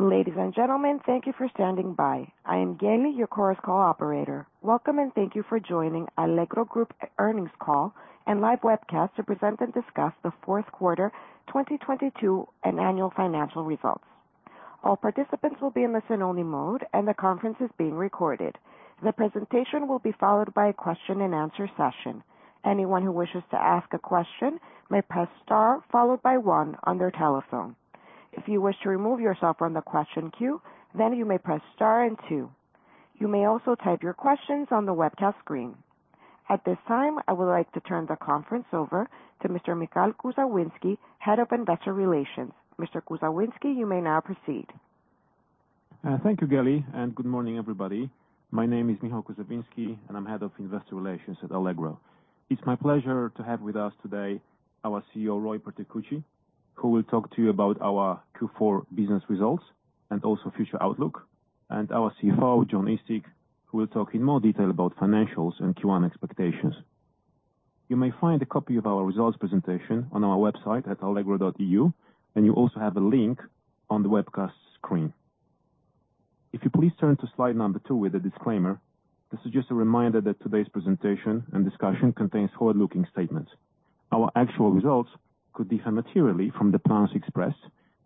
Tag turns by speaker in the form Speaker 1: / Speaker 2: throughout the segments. Speaker 1: Ladies and gentlemen, thank you for standing by. I am Gaily, your Chorus Call operator. Welcome and thank you for joining Allegro Group earnings call and live webcast to present and discuss the fourth quarter, 2022 and annual financial results. All participants will be in listen only mode, and the conference is being recorded. The presentation will be followed by a question-and-answer session. Anyone who wishes to ask a question may press star followed by one on their telephone. If you wish to remove yourself from the question queue, then you may press star and two. You may also type your questions on the webcast screen. At this time, I would like to turn the conference over to Mr. Michał Kuzawiński, Head of Investor Relations. Mr. Kuzawiński, you may now proceed.
Speaker 2: Thank you, Gaily, good morning, everybody. My name is Michał Kuzawiński, and I'm Head of Investor Relations at Allegro. It's my pleasure to have with us today our CEO, Roy Perticucci, who will talk to you about our Q4 business results and also future outlook, and our CFO, Jon Eastick, who will talk in more detail about financials and Q1 expectations. You may find a copy of our results presentation on our website at allegro.eu, you also have a link on the webcast screen. If you please turn to slide number two with a disclaimer. This is just a reminder that today's presentation and discussion contains forward-looking statements. Our actual results could differ materially from the plans expressed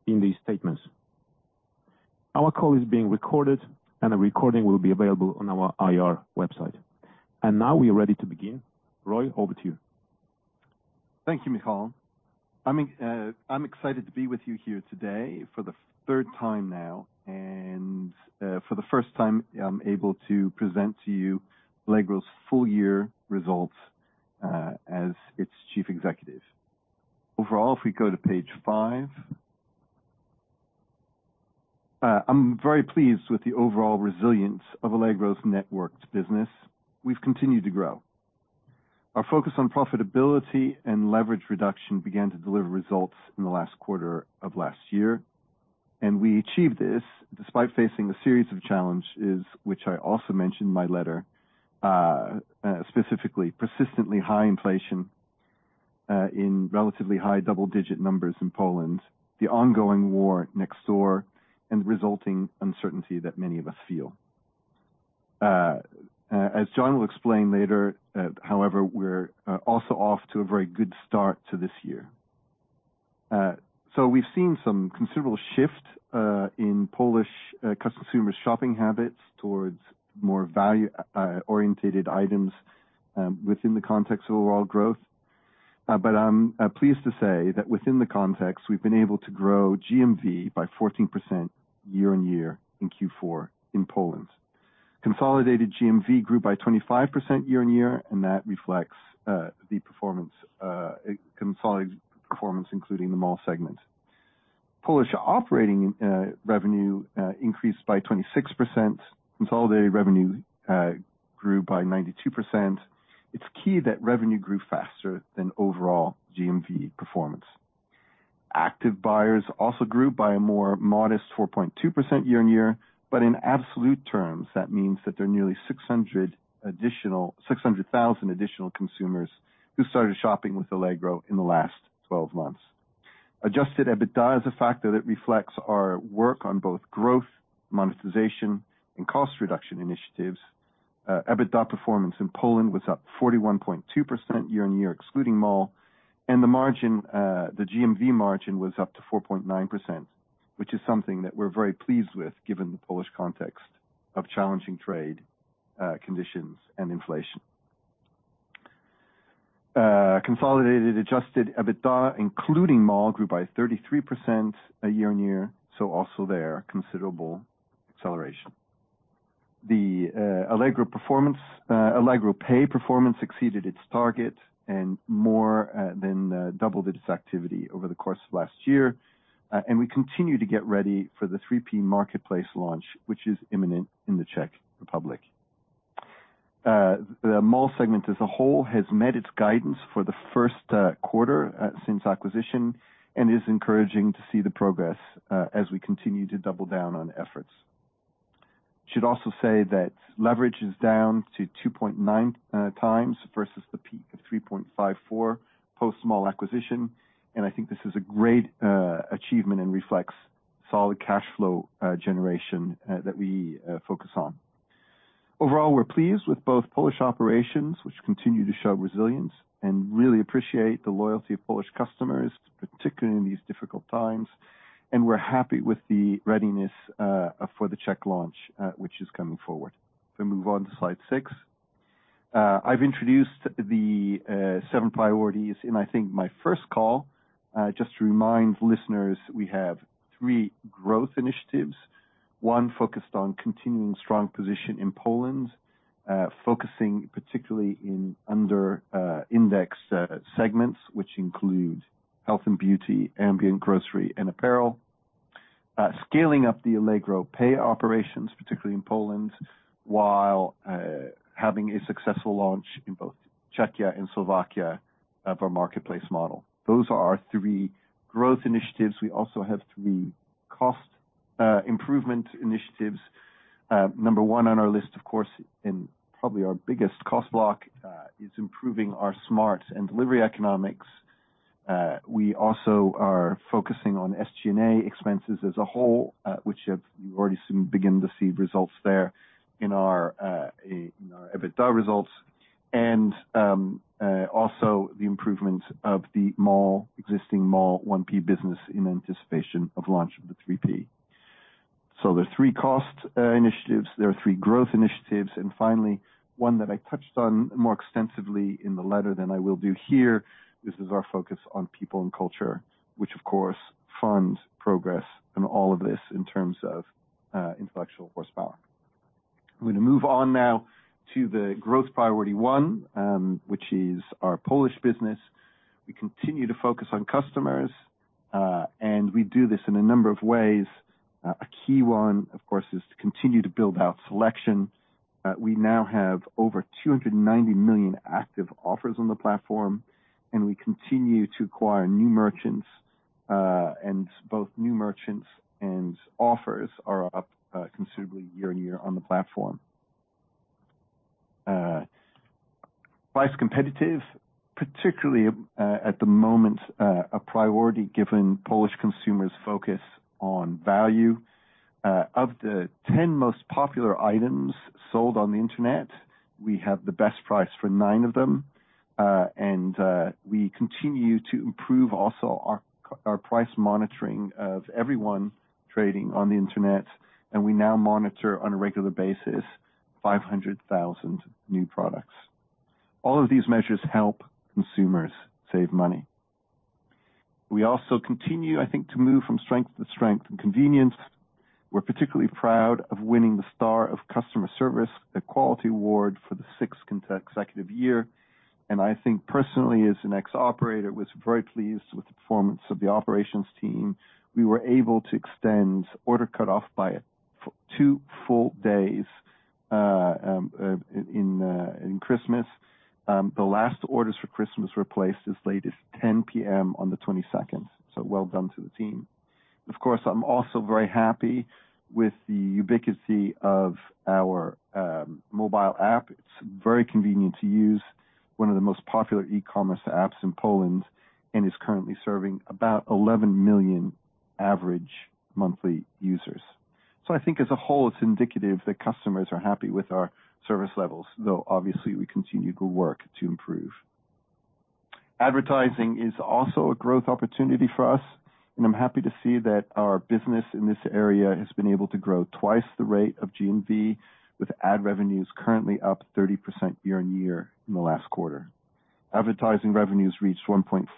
Speaker 2: in these statements. Our call is being recorded, a recording will be available on our IR website. Now we are ready to begin. Roy, over to you.
Speaker 3: Thank you, Michał. I'm excited to be with you here today for the third time now. For the first time, I'm able to present to you Allegro's full year results as its chief executive. Overall, if we go to page five. I'm very pleased with the overall resilience of Allegro's networked business. We've continued to grow. Our focus on profitability and leverage reduction began to deliver results in the last quarter of last year. We achieved this despite facing a series of challenges, which I also mentioned in my letter, specifically persistently high inflation in relatively high double-digit numbers in Poland, the ongoing war next door, and resulting uncertainty that many of us feel. As Jon will explain later, however, we're also off to a very good start to this year. We've seen some considerable shift in Polish customer shopping habits towards more value orientated items within the context of overall growth. I'm pleased to say that within the context, we've been able to grow GMV by 14% year-on-year in Q4 in Poland. Consolidated GMV grew by 25% year-on-year, and that reflects the performance, consolidated performance, including the mall segment. Polish operating revenue increased by 26%. Consolidated revenue grew by 92%. It's key that revenue grew faster than overall GMV performance. Active buyers also grew by a more modest 4.2% year-on-year, but in absolute terms, that means that there are nearly 600,000 additional consumers who started shopping with Allegro in the last 12 months. Adjusted EBITDA is a factor that reflects our work on both growth, monetization, and cost reduction initiatives. EBITDA performance in Poland was up 41.2% year-on-year, excluding Mall, and the GMV margin was up to 4.9%, which is something that we're very pleased with given the Polish context of challenging trade conditions and inflation. Consolidated adjusted EBITDA, including Mall, grew by 33% year-on-year, so also there, considerable acceleration. The Allegro performance, Allegro Pay performance exceeded its target and more than doubled its activity over the course of last year. We continue to get ready for the 3P marketplace launch, which is imminent in the Czech Republic. The Mall Group as a whole has met its guidance for the first quarter since acquisition and is encouraging to see the progress as we continue to double down on efforts. Should also say that leverage is down to 2.9x versus the peak of 3.54x post Mall Group acquisition, and I think this is a great achievement and reflects solid cash flow generation that we focus on. Overall, we're pleased with both Polish operations, which continue to show resilience and really appreciate the loyalty of Polish customers, particularly in these difficult times. We're happy with the readiness for the allegro.cz launch which is coming forward. If we move on to slide six. I've introduced the seven priorities in, I think, my first call. Just to remind listeners, we have three growth initiatives. One focused on continuing strong position in Poland, focusing particularly in under index segments, which include health and beauty, ambient grocery and apparel. Scaling up the Allegro Pay operations, particularly in Poland, while having a successful launch in both Czechia and Slovakia of our marketplace model. Those are our three growth initiatives. We also have three cost improvement initiatives. Number one on our list, of course, and probably our biggest cost block, is improving our Smart! and delivery economics. We also are focusing on SG&A expenses as a whole, which have you already soon begin to see results there in our EBITDA results. Also the improvement of the Mall, existing Mall, 1P business in anticipation of launch of the 3P. There are three cost initiatives, there are three growth initiatives, and finally, one that I touched on more extensively in the letter than I will do here. This is our focus on people and culture, which of course funds progress in all of this in terms of intellectual horsepower. I'm gonna move on now to the growth Priority 1, which is our Polish business. We continue to focus on customers, and we do this in a number of ways. A key one, of course, is to continue to build out selection. We now have over 290 million active offers on the platform, and we continue to acquire new merchants, and both new merchants and offers are up considerably year-over-year on the platform. Price competitive, particularly at the moment, a priority given Polish consumers' focus on value. Of the 10 most popular items sold on the Internet, we have the best price for nine of them. We continue to improve also our price monitoring of everyone trading on the Internet. We now monitor on a regular basis, 500,000 new products. All of these measures help consumers save money. We also continue, I think, to move from strength to strength and convenience. We're particularly proud of winning the Star of Customer Service, the quality award for the sixth consecutive year. I think personally, as an ex-operator, was very pleased with the performance of the operations team. We were able to extend order cut-off by two full days in Christmas. The last orders for Christmas were placed as late as 10 P.M. on the 22nd. Well done to the team. Of course, I'm also very happy with the ubiquity of our mobile app. It's very convenient to use one of the most popular e-commerce apps in Poland and is currently serving about 11 million average monthly users. I think as a whole, it's indicative that customers are happy with our service levels, though obviously, we continue to work to improve. Advertising is also a growth opportunity for us, and I'm happy to see that our business in this area has been able to grow twice the rate of GMV with ad revenues currently up 30% year-over-year in the last quarter. Advertising revenues reached 1.4%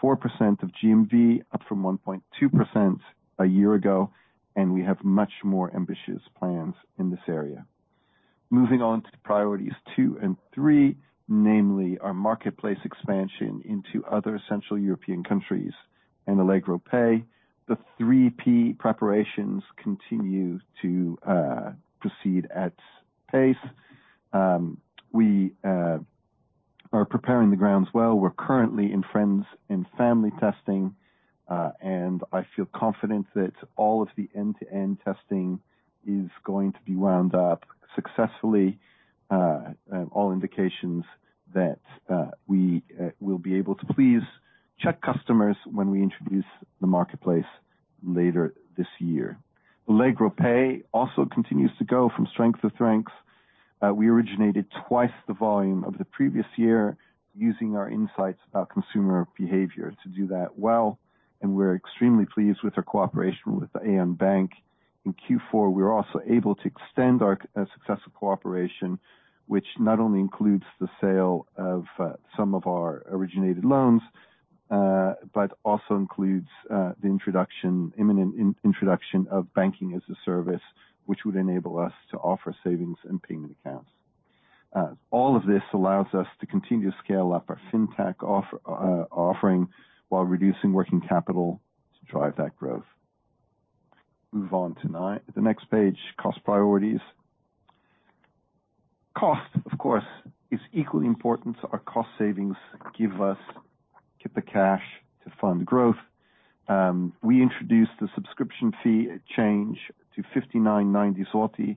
Speaker 3: of GMV, up from 1.2% a year ago. We have much more ambitious plans in this area. Moving on to priorities two and three, namely our marketplace expansion into other Central European countries and Allegro Pay. The 3P preparations continue to proceed at pace. We are preparing the grounds well. We're currently in friends and family testing. I feel confident that all of the end-to-end testing is going to be wound up successfully. All indications that we will be able to please Czech customers when we introduce the marketplace later this year. Allegro Pay also continues to go from strength to strength. We originated twice the volume of the previous year using our insights about consumer behavior to do that well, and we're extremely pleased with our cooperation with Aion Bank. In Q4, we were also able to extend our successful cooperation, which not only includes the sale of some of our originated loans, but also includes the introduction, imminent introduction of Banking-as-a-Service, which would enable us to offer savings and payment accounts. All of this allows us to continue to scale up our Fintech offering while reducing working capital to drive that growth. Move on to the next page, cost priorities. Cost, of course, is equally important. Our cost savings give us the cash to fund growth. We introduced the subscription fee change to 59.90 zloty,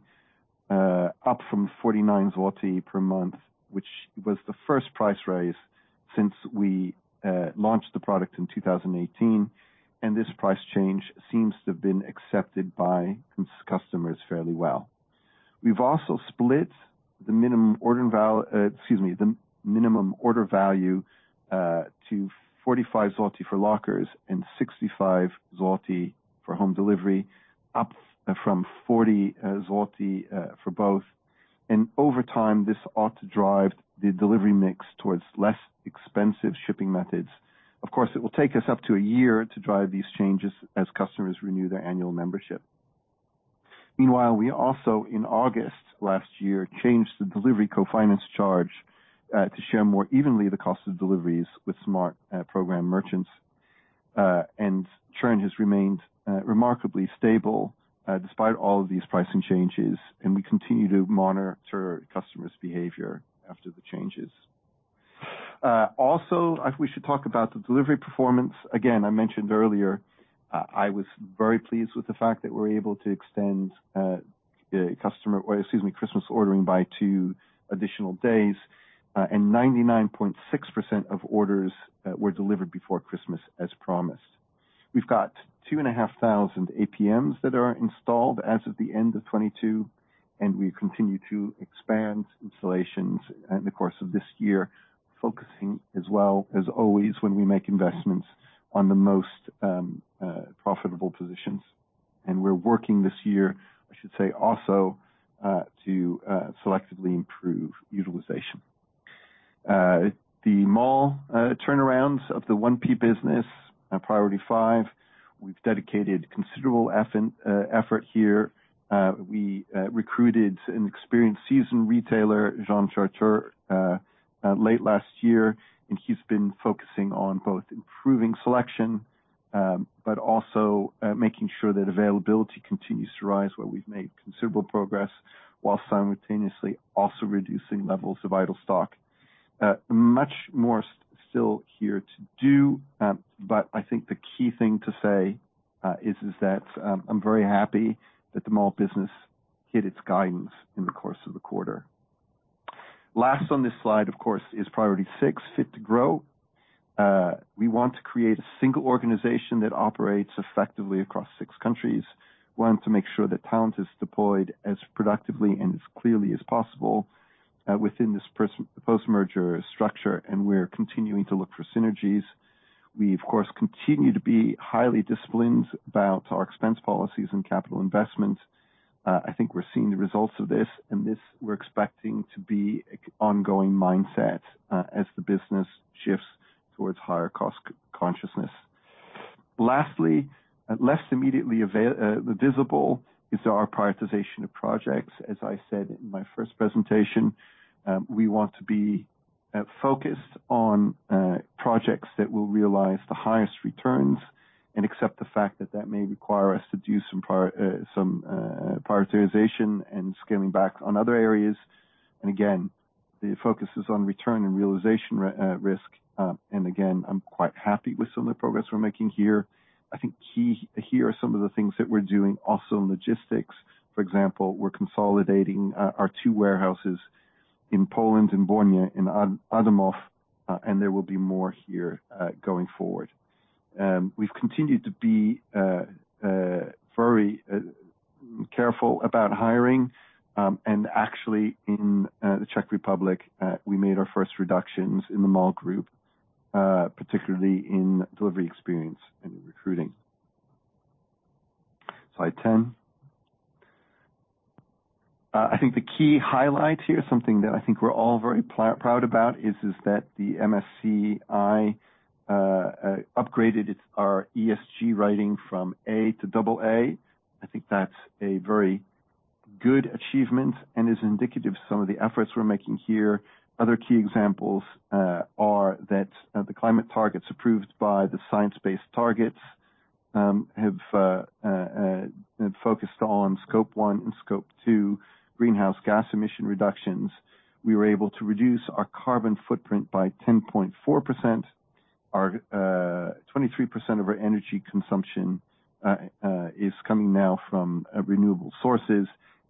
Speaker 3: up from 49 zloty per month, which was the first price raise since we launched the product in 2018. This price change seems to have been accepted by customers fairly well. We've also split the minimum order value to 45 zloty for lockers and 65 zloty for home delivery, up from 40 zloty for both. Over time, this ought to drive the delivery mix towards less expensive shipping methods. Of course, it will take us up to a year to drive these changes as customers renew their annual membership. Meanwhile, we also, in August last year, changed the delivery co-finance charge to share more evenly the cost of deliveries with Smart! program merchants. Trend has remained remarkably stable despite all of these pricing changes, and we continue to monitor customers' behavior after the changes. Also, I think we should talk about the delivery performance. Again, I mentioned earlier, I was very pleased with the fact that we're able to extend the Christmas ordering by two additional days, and 99.6% of orders were delivered before Christmas as promised. We've got 2,500 APMs that are installed as of the end of 2022, and we continue to expand installations in the course of this year, focusing as well as always when we make investments on the most profitable positions. We're working this year, I should say also, to selectively improve utilization. The Mall turnarounds of the 1P business are Priority 5. We've dedicated considerable effort here. We recruited an experienced seasoned retailer, Jean-Charles Thuard, late last year. He's been focusing on both improving selection, also making sure that availability continues to rise where we've made considerable progress, while simultaneously also reducing levels of idle stock. Much more still here to do. I think the key thing to say is that I'm very happy that the Mall business hit its guidance in the course of the quarter. Last on this slide, of course, is Priority 6, Fit to Grow. We want to create a single organization that operates effectively across six countries. We want to make sure that talent is deployed as productively and as clearly as possible, within this post-merger structure, and we're continuing to look for synergies. We, of course, continue to be highly disciplined about our expense policies and capital investments. I think we're seeing the results of this, and this we're expecting to be on ongoing mindset, as the business shifts towards higher cost consciousness. Lastly, less immediately visible is our prioritization of projects. As I said in my first presentation, we want to be focused on projects that will realize the highest returns and accept the fact that that may require us to do some prioritization and scaling back on other areas. Again, the focus is on return and realization risk. Again, I'm quite happy with some of the progress we're making here. I think key here are some of the things that we're doing. Also, logistics, for example, we're consolidating our two warehouses in Poland and Błonie in Adamów, there will be more here going forward. We've continued to be very careful about hiring, actually in the Czech Republic, we made our first reductions in the Mall Group, particularly in delivery experience and recruiting. Slide 10. I think the key highlight here, something that I think we're all very proud about is that the MSCI upgraded our ESG rating from A to AA. I think that's a very good achievement and is indicative of some of the efforts we're making here. Other key examples are that the climate targets approved by the Science Based Targets have focused on Scope 1 and Scope 2 greenhouse gas emission reductions. We were able to reduce our carbon footprint by 10.4%. Our 23% of our energy consumption is coming now from renewable sources,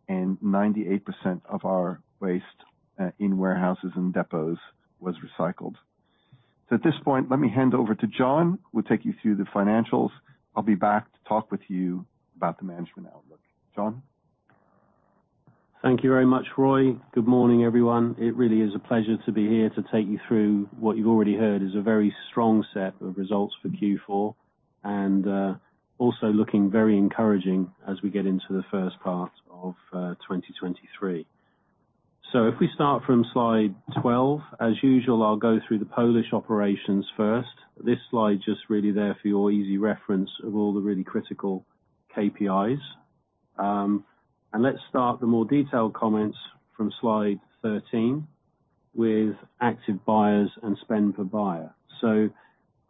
Speaker 3: and 98% of our waste in warehouses and depots was recycled. At this point, let me hand over to Jon, who will take you through the financials. I'll be back to talk with you about the management outlook. Jon?
Speaker 4: Thank you very much, Roy. Good morning, everyone. It really is a pleasure to be here to take you through what you've already heard is a very strong set of results for Q4, and also looking very encouraging as we get into the first part of 2023. If we start from slide 12, as usual, I'll go through the Polish operations first. This slide is just really there for your easy reference of all the really critical KPIs. Let's start the more detailed comments from slide 13 with active buyers and spend per buyer.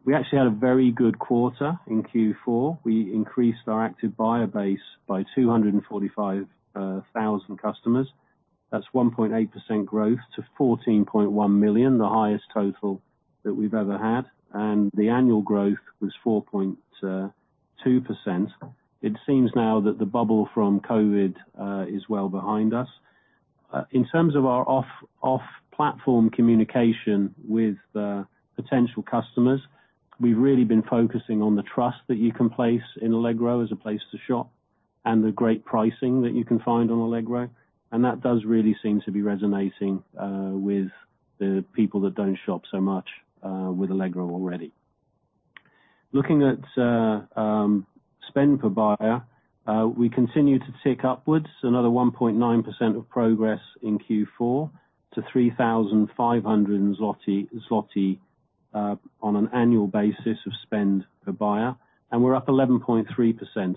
Speaker 4: We actually had a very good quarter in Q4. We increased our active buyer base by 245,000 customers. That's 1.8% growth to 14.1 million, the highest total that we've ever had. The annual growth was 4.2%. It seems now that the bubble from COVID is well behind us. In terms of our off-platform communication with potential customers, we've really been focusing on the trust that you can place in Allegro as a place to shop and the great pricing that you can find on Allegro. That does really seem to be resonating with the people that don't shop so much with Allegro already. Looking at spend per buyer, we continue to tick upwards, another 1.9% of progress in Q4 to 3,500 zloty on an annual basis of spend per buyer, and we're up 11.3%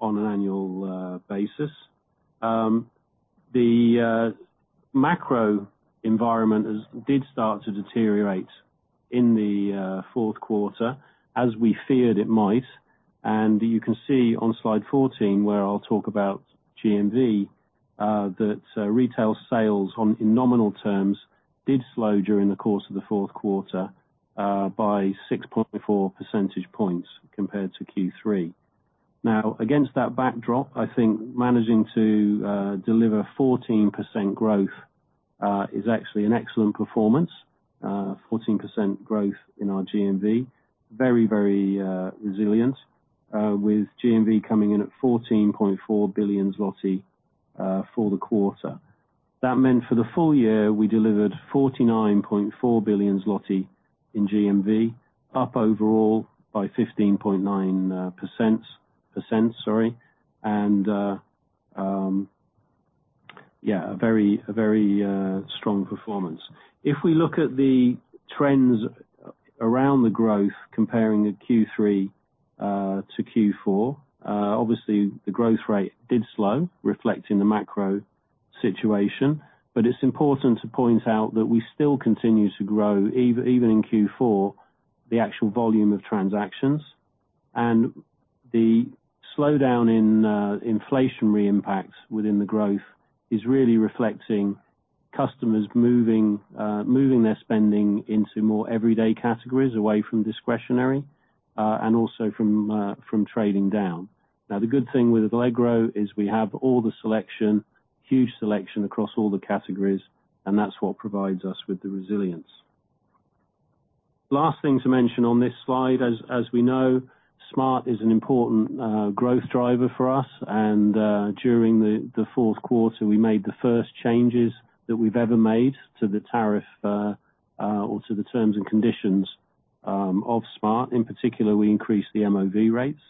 Speaker 4: on an annual basis. The macro environment did start to deteriorate in the fourth quarter, as we feared it might. You can see on slide 14, where I'll talk about GMV, that retail sales on, in nominal terms, did slow during the course of the fourth quarter, by 6.4 percentage points compared to Q3. Now against that backdrop, I think managing to deliver 14% growth is actually an excellent performance. 14% growth in our GMV. Very resilient, with GMV coming in at 14.4 billion zloty for the quarter. That meant for the full year, we delivered 49.4 billion zloty in GMV, up overall by 15.9 percent, sorry, and a very strong performance. If we look at the trends around the growth, comparing the Q3 to Q4, obviously the growth rate did slow, reflecting the macro situation. It's important to point out that we still continue to grow, even in Q4, the actual volume of transactions. The slowdown in inflationary impacts within the growth is really reflecting customers moving their spending into more everyday categories away from discretionary and also from trading down. The good thing with Allegro is we have all the selection, huge selection across all the categories, and that's what provides us with the resilience. Last thing to mention on this slide, as we know, Smart! is an important growth driver for us. During the fourth quarter, we made the first changes that we've ever made to the tariff or to the terms and conditions of Smart!. In particular, we increased the MOV rates.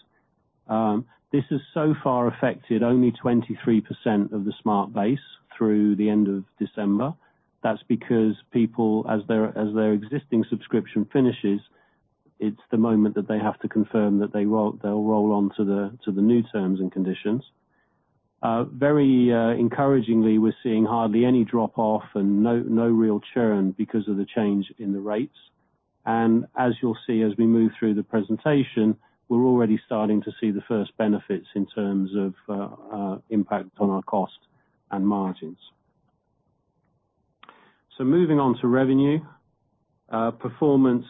Speaker 4: This has so far affected only 23% of the Smart! base through the end of December. That's because people, as their existing subscription finishes, it's the moment that they have to confirm that they'll roll on to the new terms and conditions. Very encouragingly, we're seeing hardly any drop-off and no real churn because of the change in the rates. As you'll see, as we move through the presentation, we're already starting to see the first benefits in terms of impact on our cost and margins. Moving on to revenue. Performance,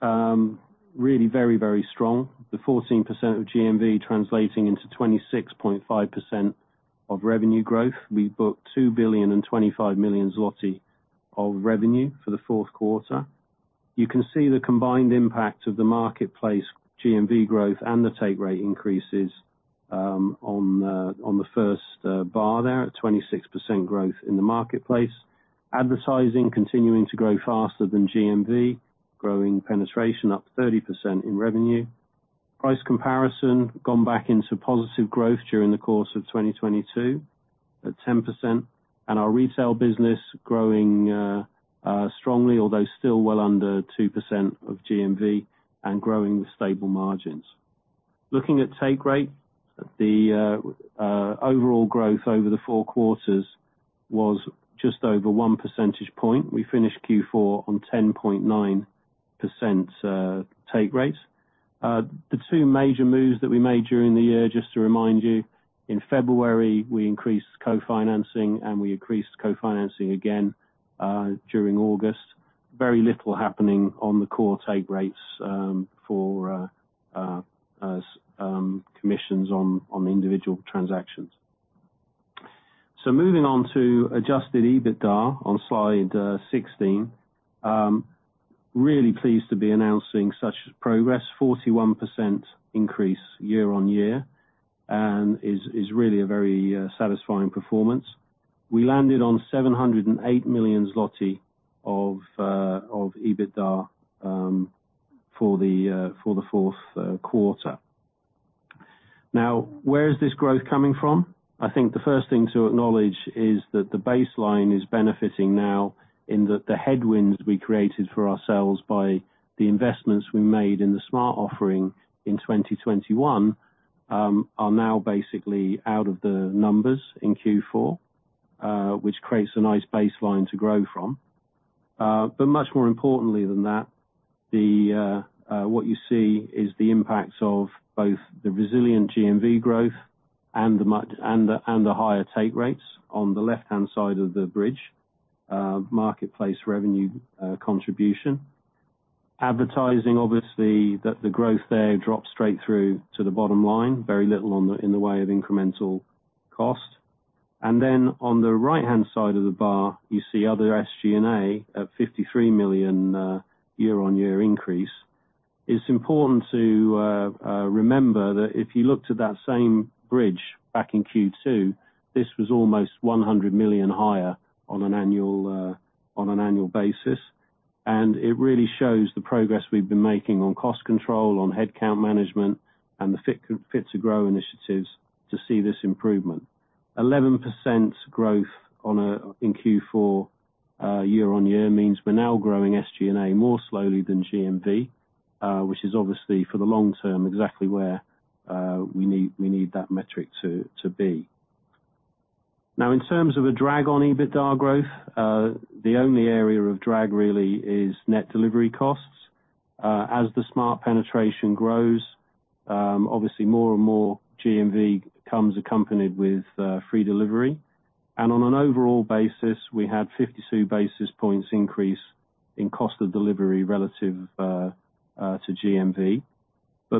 Speaker 4: really very strong. The 14% of GMV translating into 26.5% of revenue growth. We booked 2.025 billion of revenue for the fourth quarter. You can see the combined impact of the marketplace GMV growth and the take rate increases on the first bar there at 26% growth in the marketplace. Advertising continuing to grow faster than GMV, growing penetration up 30% in revenue. Price comparison gone back into positive growth during the course of 2022 at 10%, our retail business growing strongly, although still well under 2% of GMV and growing with stable margins. Looking at take rate, the overall growth over the four quarters was just over 1 percentage point. We finished Q4 on 10.9% take rates. The two major moves that we made during the year, just to remind you, in February, we increased co-financing, we increased co-financing again during August. Very little happening on the core take rates for as commissions on individual transactions. Moving on to adjusted EBITDA on slide 16. Really pleased to be announcing such progress. 41% increase year-on-year, is really a very satisfying performance. We landed on 708 million zloty of EBITDA for the fourth quarter. Where is this growth coming from? I think the first thing to acknowledge is that the baseline is benefiting now in that the headwinds we created for ourselves by the investments we made in the Smart! offering in 2021, are now basically out of the numbers in Q4, which creates a nice baseline to grow from. But much more importantly than that, what you see is the impacts of both the resilient GMV growth and the much, and the higher take rates on the left-hand side of the bridge, marketplace revenue, contribution. Advertising, obviously, that the growth there dropped straight through to the bottom line, very little on the, in the way of incremental cost. On the right-hand side of the bar, you see other SG&A at 53 million year-on-year increase. It's important to remember that if you looked at that same bridge back in Q2, this was almost 100 million higher on an annual, on an annual basis. It really shows the progress we've been making on cost control, on headcount management, and the Fit to Grow initiatives to see this improvement. 11% growth on a, in Q4, year-on-year means we're now growing SG&A more slowly than GMV, which is obviously for the long term, exactly where we need that metric to be. In terms of a drag on EBITDA growth, the only area of drag really is net delivery costs. As the Smart! penetration grows, obviously more and more GMV comes accompanied with free delivery. On an overall basis, we had 52 basis points increase in cost of delivery relative to GMV.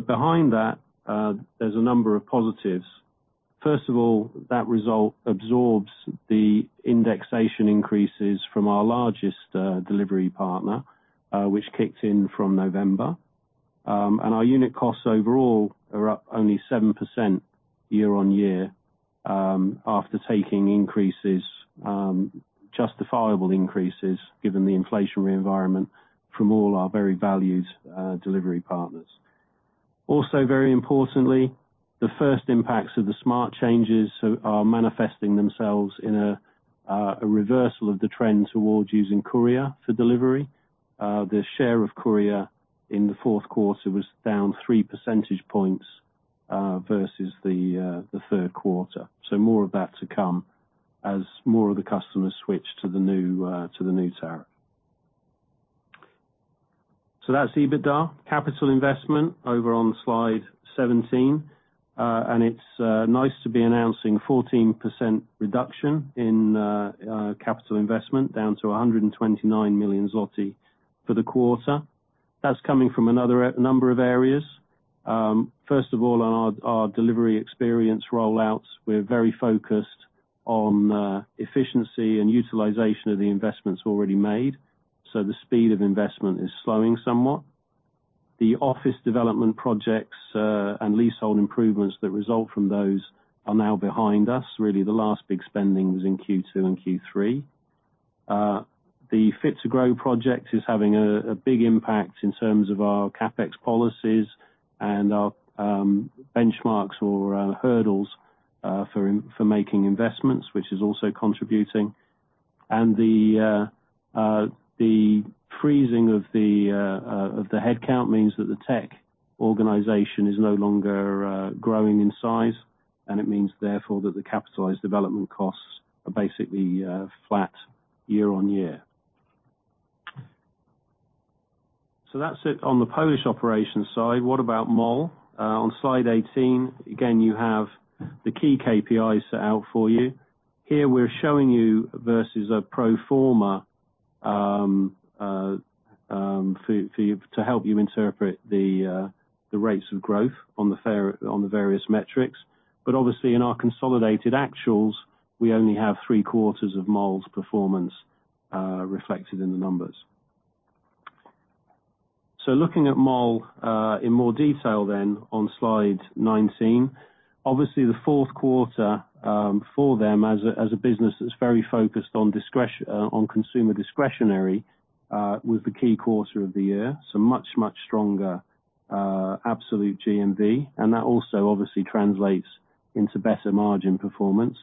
Speaker 4: Behind that, there's a number of positives. First of all, that result absorbs the indexation increases from our largest delivery partner, which kicked in from November. Our unit costs overall are up only 7% year-on-year, after taking increases, justifiable increases given the inflationary environment from all our very valued delivery partners. Also, very importantly, the first impacts of the Smart! changes are manifesting themselves in a reversal of the trend towards using courier for delivery. The share of courier in the fourth quarter was down 3 percentage points versus the third quarter. More of that to come as more of the customers switch to the new to the new tariff. That's EBITDA. Capital investment over on slide 17. It's nice to be announcing 14% reduction in capital investment, down to 129 million zloty for the quarter. That's coming from a number of areas. First of all, on our delivery experience rollouts, we're very focused on efficiency and utilization of the investments already made. The speed of investment is slowing somewhat. The office development projects and leasehold improvements that result from those are now behind us. Really, the last big spending was in Q2 and Q3. The Fit to Grow project is having a big impact in terms of our CapEx policies and our benchmarks or hurdles for making investments, which is also contributing. The freezing of the headcount means that the tech organization is no longer growing in size, and it means therefore that the capitalized development costs are basically flat year-on-year. That's it on the Polish operation side. What about Mall? On slide 18, again, you have the key KPIs set out for you. Here, we're showing you versus a pro forma for you, to help you interpret the rates of growth on the various metrics. Obviously, in our consolidated actuals, we only have three-quarters of Mall's performance reflected in the numbers. Looking at Mall in more detail on slide 19. Obviously, the fourth quarter for them as a business that's very focused on consumer discretionary was the key quarter of the year, much stronger absolute GMV, and that also obviously translates into better margin performance.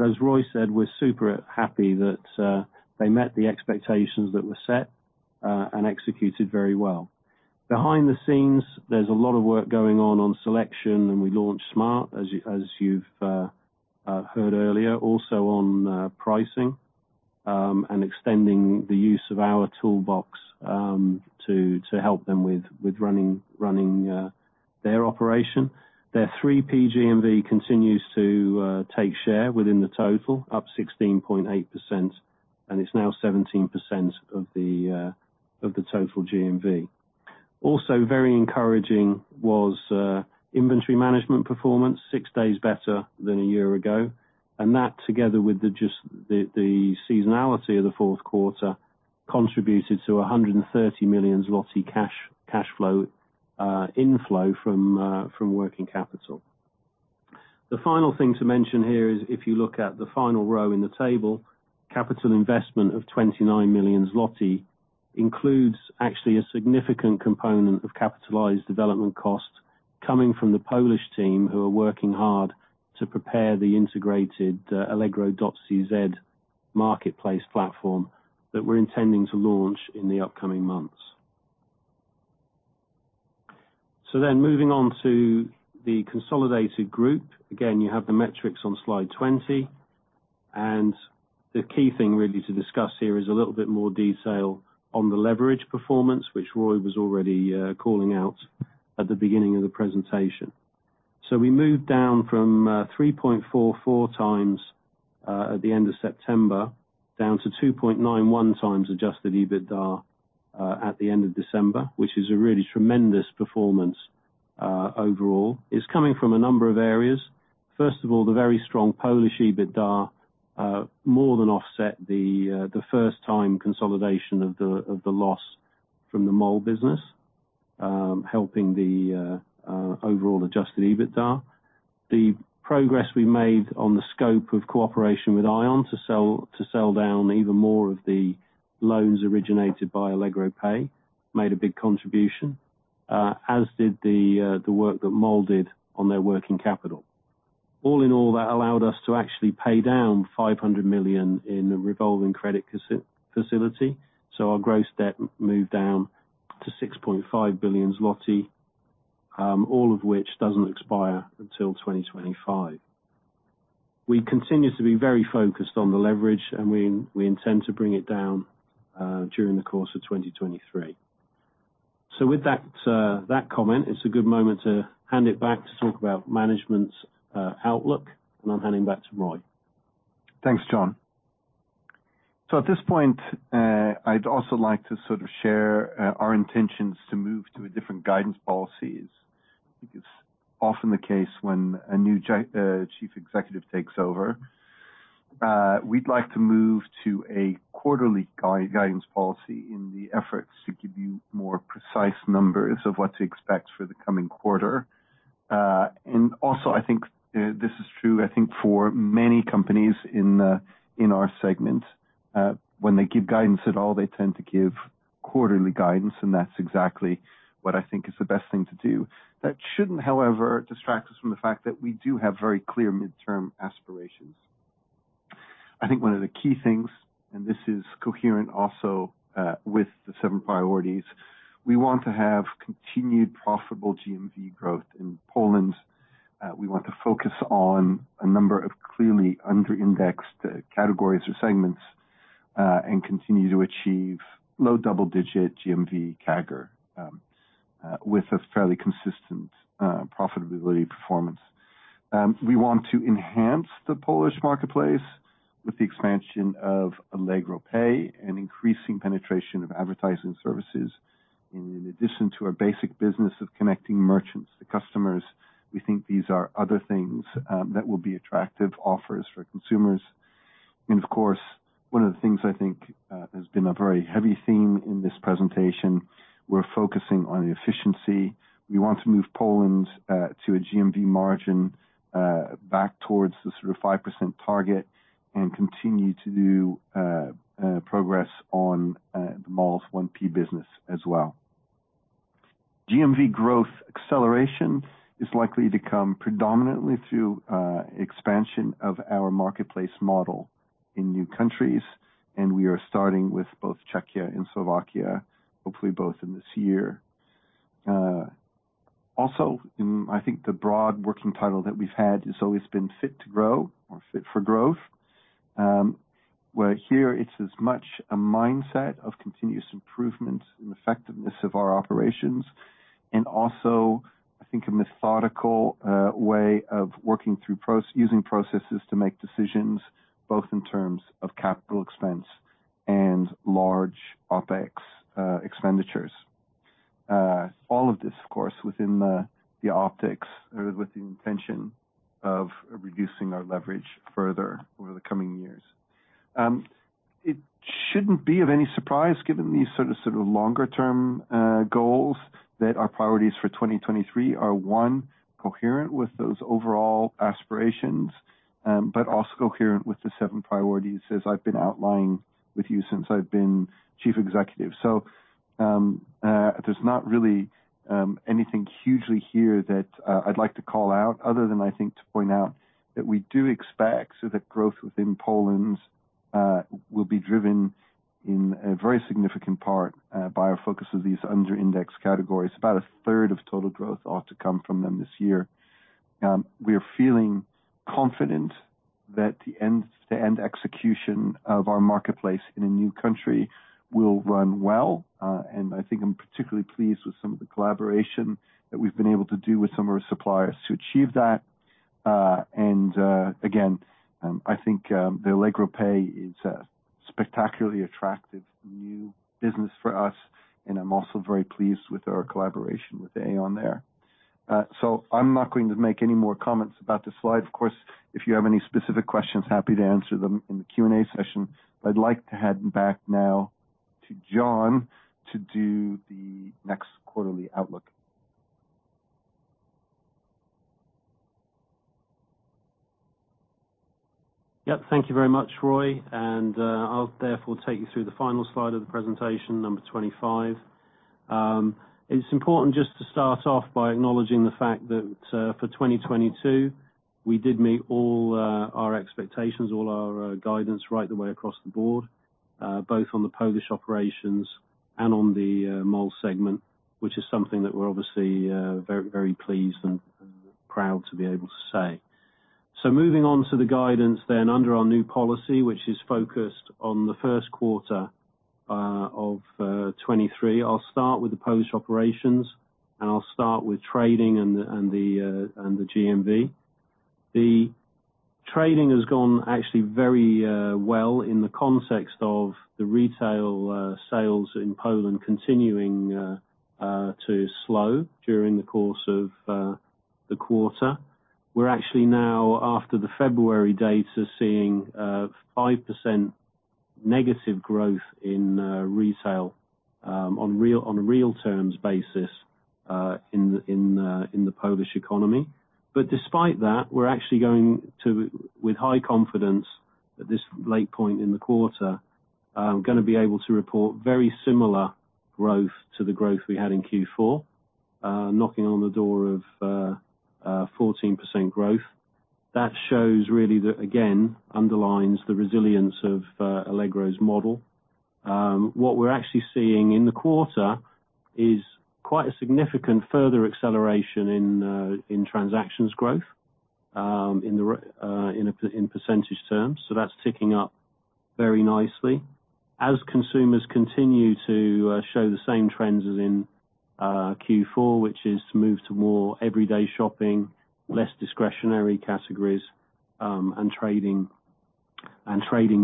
Speaker 4: As Roy said, we're super happy that they met the expectations that were set and executed very well. Behind the scenes, there's a lot of work going on on selection, and we launched Smart!, as you've heard earlier, also on pricing and extending the use of our toolbox to help them with running their operation. Their 3P GMV continues to take share within the total, up 16.8%, and it's now 17% of the total GMV. Also very encouraging was inventory management performance, six days better than a year ago. That, together with the just, the seasonality of the fourth quarter, contributed to 130 million zloty cash flow inflow from working capital. The final thing to mention here is if you look at the final row in the table, capital investment of 29 million zloty includes actually a significant component of capitalized development costs coming from the Polish team, who are working hard to prepare the integrated allegro.cz marketplace platform that we're intending to launch in the upcoming months. Moving on to the consolidated group. Again, you have the metrics on slide 20. The key thing really to discuss here is a little bit more detail on the leverage performance, which Roy was already calling out at the beginning of the presentation. We moved down from 3.44x at the end of September, down to 2.91x adjusted EBITDA at the end of December, which is a really tremendous performance overall. It's coming from a number of areas. First of all, the very strong Polish EBITDA more than offset the first time consolidation of the loss from the Mall business, helping the overall adjusted EBITDA. The progress we made on the scope of cooperation with Aion to sell, to sell down even more of the loans originated by Allegro Pay made a big contribution, as did the work that Mall did on their working capital. That allowed us to actually pay down 500 million in the revolving credit facility, our gross debt moved down to 6.5 billion zloty. All of which doesn't expire until 2025. We continue to be very focused on the leverage, we intend to bring it down during the course of 2023. With that comment, it's a good moment to hand it back to talk about management's outlook, I'm handing back to Roy.
Speaker 3: Thanks, Jon. At this point, I'd also like to sort of share, our intentions to move to a different guidance policies. I think it's often the case when a new chief executive takes over. We'd like to move to a quarterly guidance policy in the efforts to give you more precise numbers of what to expect for the coming quarter. Also I think this is true, I think for many companies in our segment, when they give guidance at all, they tend to give quarterly guidance, and that's exactly what I think is the best thing to do. That shouldn't, however, distract us from the fact that we do have very clear midterm aspirations. I think one of the key things, and this is coherent also with the seven priorities, we want to have continued profitable GMV growth in Poland. We want to focus on a number of clearly under-indexed categories or segments, and continue to achieve low double-digit GMV CAGR with a fairly consistent profitability performance. We want to enhance the Polish marketplace with the expansion of Allegro Pay and increasing penetration of advertising services. In addition to our basic business of connecting merchants to customers, we think these are other things that will be attractive offers for consumers. Of course, one of the things I think has been a very heavy theme in this presentation, we're focusing on the efficiency. We want to move Poland to a GMV margin back towards the sort of 5% target and continue to do progress on the Mall Group 1P business as well. GMV growth acceleration is likely to come predominantly through expansion of our marketplace model in new countries, and we are starting with both Czechia and Slovakia, hopefully both in this year. Also in, I think the broad working title that we've had has always been Fit to Grow or Fit for Growth. Where here it's as much a mindset of continuous improvement and effectiveness of our operations. Also, I think a methodical way of working through using processes to make decisions, both in terms of CapEx and large OpEx expenditures. All of this, of course, within the optics or with the intention of reducing our leverage further over the coming years. It shouldn't be of any surprise, given these sort of longer-term goals that our priorities for 2023 are, one, coherent with those overall aspirations, but also coherent with the seven priorities as I've been outlying with you since I've been chief executive. There's not really anything hugely here that I'd like to call out other than I think to point out that we do expect, so the growth within Poland will be driven in a very significant part by our focus of these under-indexed categories. About a third of total growth ought to come from them this year. We are feeling confident that the end-to-end execution of our marketplace in a new country will run well. I think I'm particularly pleased with some of the collaboration that we've been able to do with some of our suppliers to achieve that. Again, I think the Allegro Pay is a spectacularly attractive new business for us, and I'm also very pleased with our collaboration with Aion Bank there. I'm not going to make any more comments about this slide. Of course, if you have any specific questions, happy to answer them in the Q&A session. I'd like to hand back now to Jon to do the next quarterly outlook.
Speaker 4: Yep. Thank you very much, Roy. I'll therefore take you through the final slide of the presentation, number 25. It's important just to start off by acknowledging the fact that for 2022, we did meet all our expectations, all our guidance right the way across the board, both on the Polish operations and on the Mall segment, which is something that we're obviously very, very pleased and proud to be able to say. Moving on to the guidance then under our new policy, which is focused on the first quarter of 2023. I'll start with the Polish operations, I'll start with trading and the GMV. The trading has gone actually very well in the context of the retail sales in Poland continuing to slow during the course of the quarter. We're actually now after the February dates are seeing 5% negative growth in retail on a real terms basis in the Polish economy. Despite that, we're actually going to, with high confidence at this late point in the quarter, gonna be able to report very similar growth to the growth we had in Q4, knocking on the door of 14% growth. That shows really that, again, underlines the resilience of Allegro's model. What we're actually seeing in the quarter is quite a significant further acceleration in transactions growth in percentage terms. That's ticking up very nicely. As consumers continue to show the same trends as in Q4, which is to move to more everyday shopping, less discretionary categories, and trading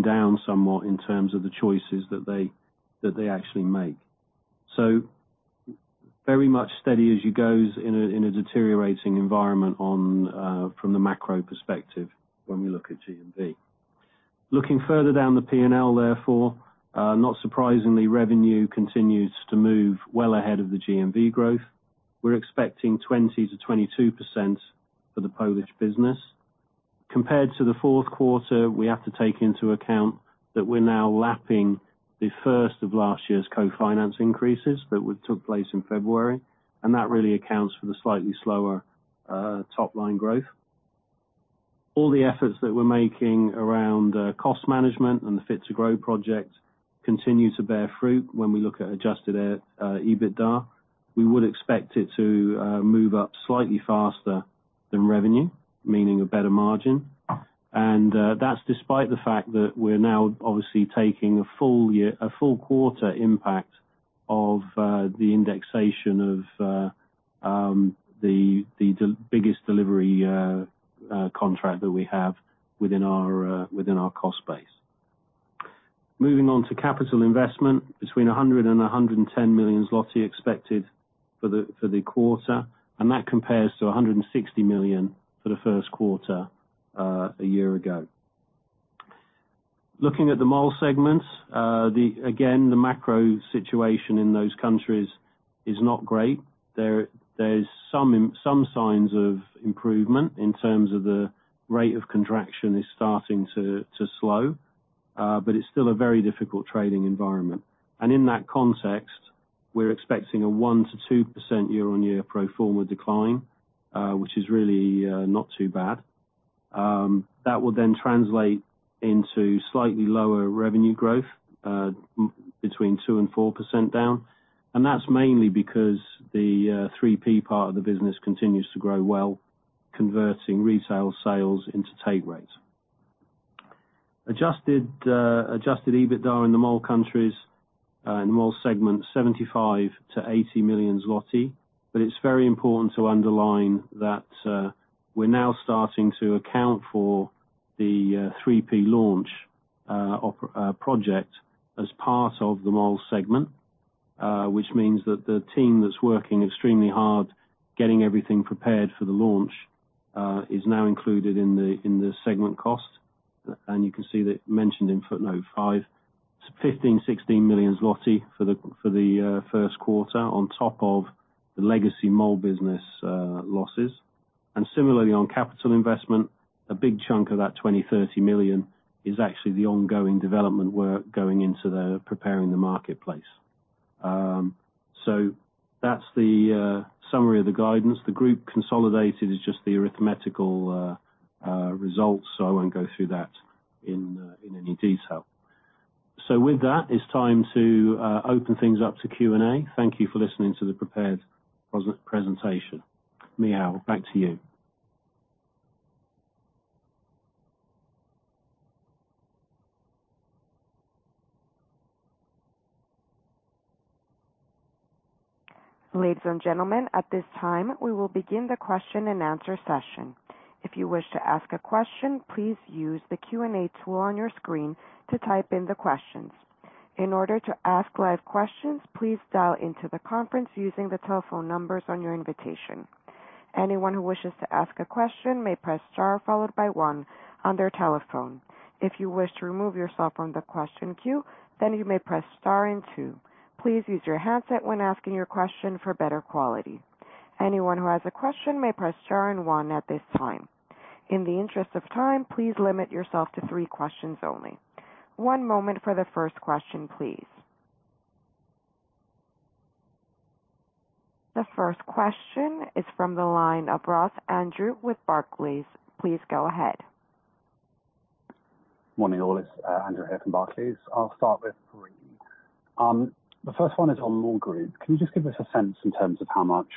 Speaker 4: down somewhat in terms of the choices that they actually make. Very much steady as you go in a deteriorating environment from the macro perspective when we look at GMV. Looking further down the P&L, therefore, not surprisingly, revenue continues to move well ahead of the GMV growth. We're expecting 20%-22% for the Polish business. Compared to the fourth quarter, we have to take into account that we're now lapping the first of last year's co-finance increases that took place in February, and that really accounts for the slightly slower top-line growth. All the efforts that we're making around cost management and the Fit to Grow project continue to bear fruit when we look at adjusted EBITDA. We would expect it to move up slightly faster than revenue, meaning a better margin. That's despite the fact that we're now obviously taking a full quarter impact of the indexation of the biggest delivery contract that we have within our cost base. Moving on to capital investment between 100 million and 110 million zloty expected for the quarter, and that compares to 160 million for the first quarter a year ago. Looking at the mall segments, again, the macro situation in those countries is not great. There, there's some signs of improvement in terms of the rate of contraction is starting to slow, but it's still a very difficult trading environment. In that context, we're expecting a 1%-2% year-on-year pro forma decline, which is really not too bad. That will then translate into slightly lower revenue growth, between 2%-4% down. That's mainly because the 3P part of the business continues to grow well, converting retail sales into take rates. Adjusted EBITDA in the Mall countries, in Mall segment, 75 million-80 million zloty. But it's very important to underline that we're now starting to account for the 3P launch project as part of the Mall segment, which means that the team that's working extremely hard getting everything prepared for the launch is now included in the segment cost. And you can see that mentioned in footnote 5. 15 million-16 million zloty for the first quarter on top of the legacy Mall business losses. And similarly, on capital investment, a big chunk of that 20 million-30 million is actually the ongoing development work going into the preparing the marketplace. So that's the summary of the guidance. The group consolidated is just the arithmetical results, so I won't go through that in any detail. With that, it's time to open things up to Q&A. Thank you for listening to the prepared presentation. Michał, back to you.
Speaker 1: Ladies and gentlemen, at this time, we will begin the question-and-answer session. If you wish to ask a question, please use the Q&A tool on your screen to type in the questions. In order to ask live questions, please dial into the conference using the telephone numbers on your invitation. Anyone who wishes to ask a question may press star followed by one on their telephone. If you wish to remove yourself from the question queue, you may press star and two. Please use your handset when asking your question for better quality. Anyone who has a question may press star and one at this time. In the interest of time, please limit yourself to three questions only. One moment for the first question, please. The first question is from the line of Andrew Ross with Barclays. Please go ahead.
Speaker 5: Morning, all. It's Andrew here from Barclays. I'll start with three. The first one is on Mall Group. Can you just give us a sense in terms of how much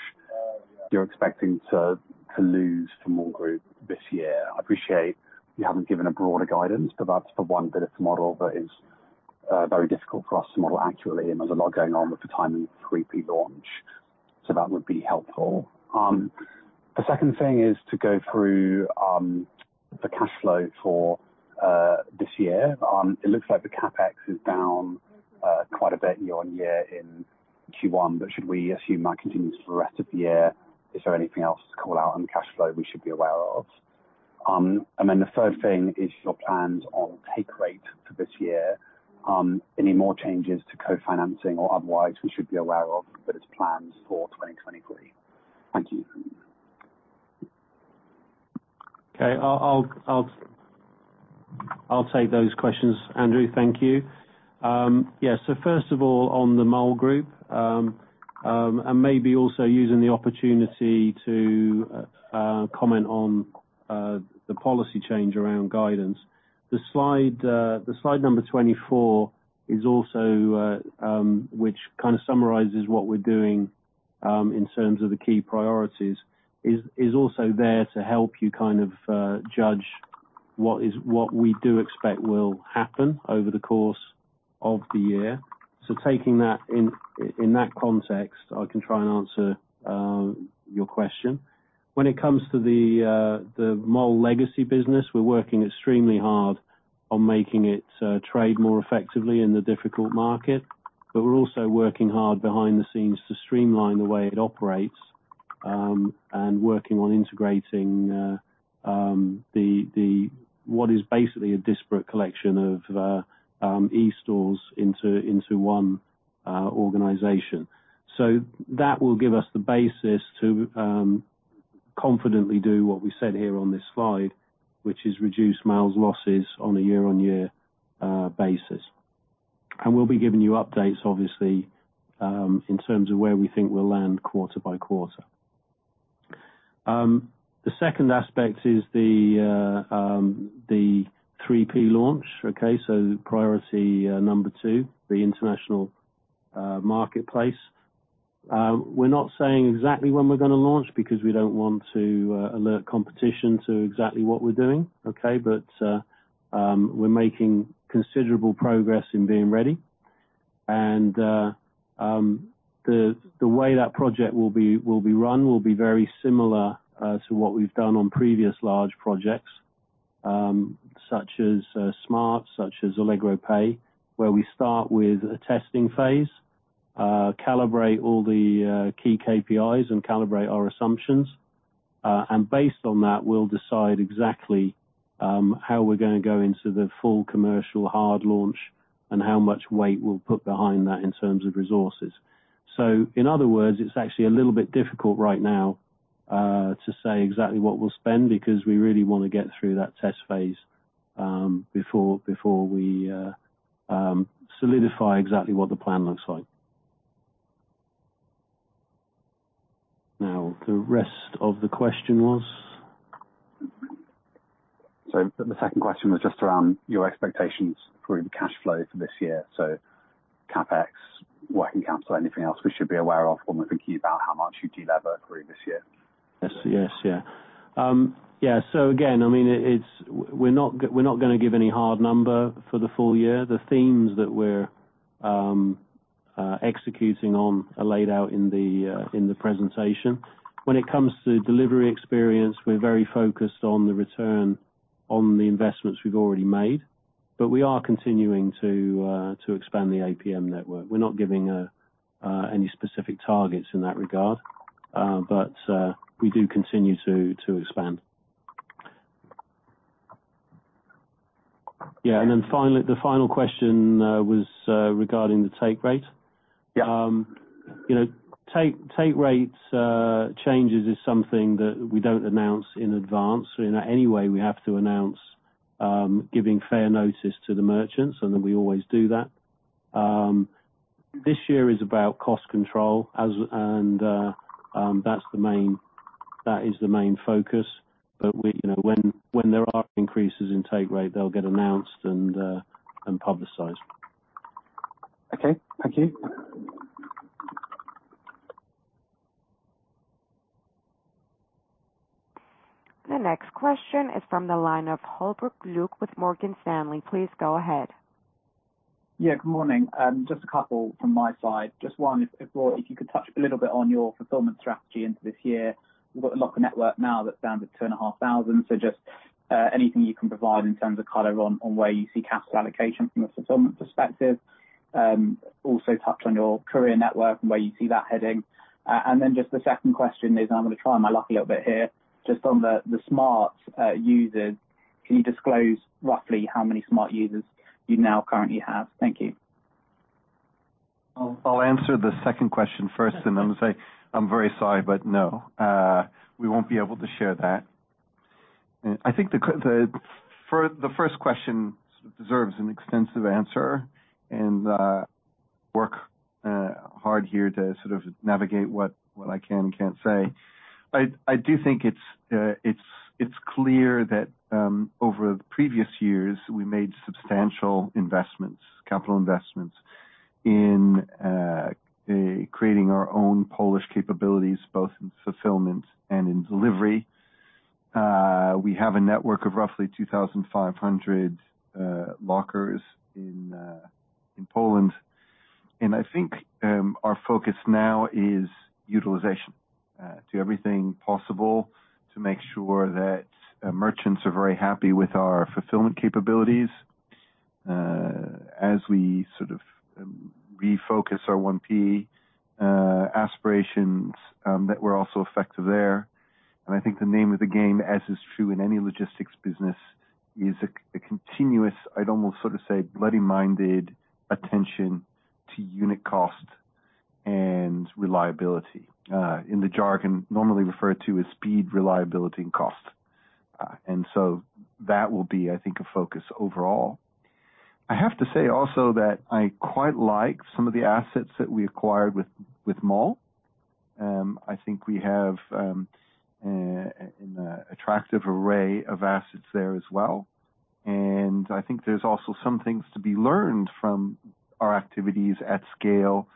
Speaker 5: you're expecting to lose to Mall Group this year? I appreciate you haven't given a broader guidance, but that's the one bit of the model that is very difficult for us to model accurately, and there's a lot going on with the timing of 3P launch. That would be helpful. The second thing is to go through the cash flow for this year. It looks like the CapEx is down quite a bit year-on-year in Q1, but should we assume that continues for the rest of the year? Is there anything else to call out on cash flow we should be aware of? The third thing is your plans on take rate for this year. Any more changes to co-financing or otherwise we should be aware of that is planned for 2023? Thank you.
Speaker 4: Okay. I'll take those questions, Andrew. Thank you. Yeah. First of all, on the Mall Group, maybe also using the opportunity to comment on the policy change around guidance. The slide number 24 is also which kind of summarizes what we're doing in terms of the key priorities, is also there to help you kind of judge what we do expect will happen over the course of the year. Taking that in that context, I can try and answer your question. When it comes to the Mall legacy business, we're working extremely hard on making it trade more effectively in the difficult market, but we're also working hard behind the scenes to streamline the way it operates, and working on integrating the, what is basically a disparate collection of e stores into one organization. That will give us the basis to confidently do what we said here on this slide, which is reduce Mall's losses on a year-on-year basis. We'll be giving you updates, obviously, in terms of where we think we'll land quarter by quarter. The second aspect is the 3P launch. Okay? Priority number two, the international marketplace. We're not saying exactly when we're gonna launch because we don't want to alert competition to exactly what we're doing, okay? We're making considerable progress in being ready. The way that project will be run will be very similar to what we've done on previous large projects, such as Smart!, such as Allegro Pay, where we start with a testing phase, calibrate all the key KPIs and calibrate our assumptions. Based on that, we'll decide exactly how we're gonna go into the full commercial hard launch and how much weight we'll put behind that in terms of resources. In other words, it's actually a little bit difficult right now, to say exactly what we'll spend because we really wanna get through that test phase, before we solidify exactly what the plan looks like. Now, the rest of the question was?
Speaker 5: The second question was just around your expectations for cash flow for this year. CapEx, working capital, anything else we should be aware of when we're thinking about how much you delever through this year?
Speaker 4: Again, I mean, we're not gonna give any hard number for the full year. The themes that we're executing on are laid out in the presentation. When it comes to delivery experience, we're very focused on the return on the investments we've already made, but we are continuing to expand the APM network. We're not giving any specific targets in that regard, but we do continue to expand. Yeah. Then finally, the final question was regarding the take rate.
Speaker 5: Yeah.
Speaker 4: You know, take rate changes is something that we don't announce in advance. In any way, we have to announce, giving fair notice to the merchants, and then we always do that. This year is about cost control as, and that is the main focus. We, you know, when there are increases in take rate, they'll get announced and publicized.
Speaker 5: Okay. Thank you.
Speaker 1: The next question is from the line of Luke Holbrook with Morgan Stanley. Please go ahead.
Speaker 6: Yeah, good morning. Just a couple from my side. Just one, if Roy, if you could touch a little bit on your fulfillment strategy into this year. We've got a locker network now that's down to 2,500. Just anything you can provide in terms of color on where you see capital allocation from a fulfillment perspective. Also touch on your courier network and where you see that heading. Just the second question is, I'm gonna try my luck a little bit here. Just on the Smart! users, can you disclose roughly how many Smart! users you now currently have? Thank you.
Speaker 3: I'll answer the second question first, then say I'm very sorry, no, we won't be able to share that. I think the first question deserves an extensive answer, work hard here to sort of navigate what I can and can't say. I do think it's clear that over the previous years, we made substantial investments, capital investments in creating our own Polish capabilities, both in fulfillment and in delivery. We have a network of roughly 2,500 lockers in Poland. I think our focus now is utilization. Do everything possible to make sure that merchants are very happy with our fulfillment capabilities, as we sort of refocus our 1P aspirations, that we're also effective there. I think the name of the game, as is true in any logistics business, is a continuous, I'd almost sort of say, bloody-minded attention to unit cost. Reliability. In the jargon normally referred to as speed, reliability, and cost. That will be, I think, a focus overall. I have to say also that I quite like some of the assets that we acquired with Mall. I think we have an attractive array of assets there as well. I think there's also some things to be learned from our activities at scale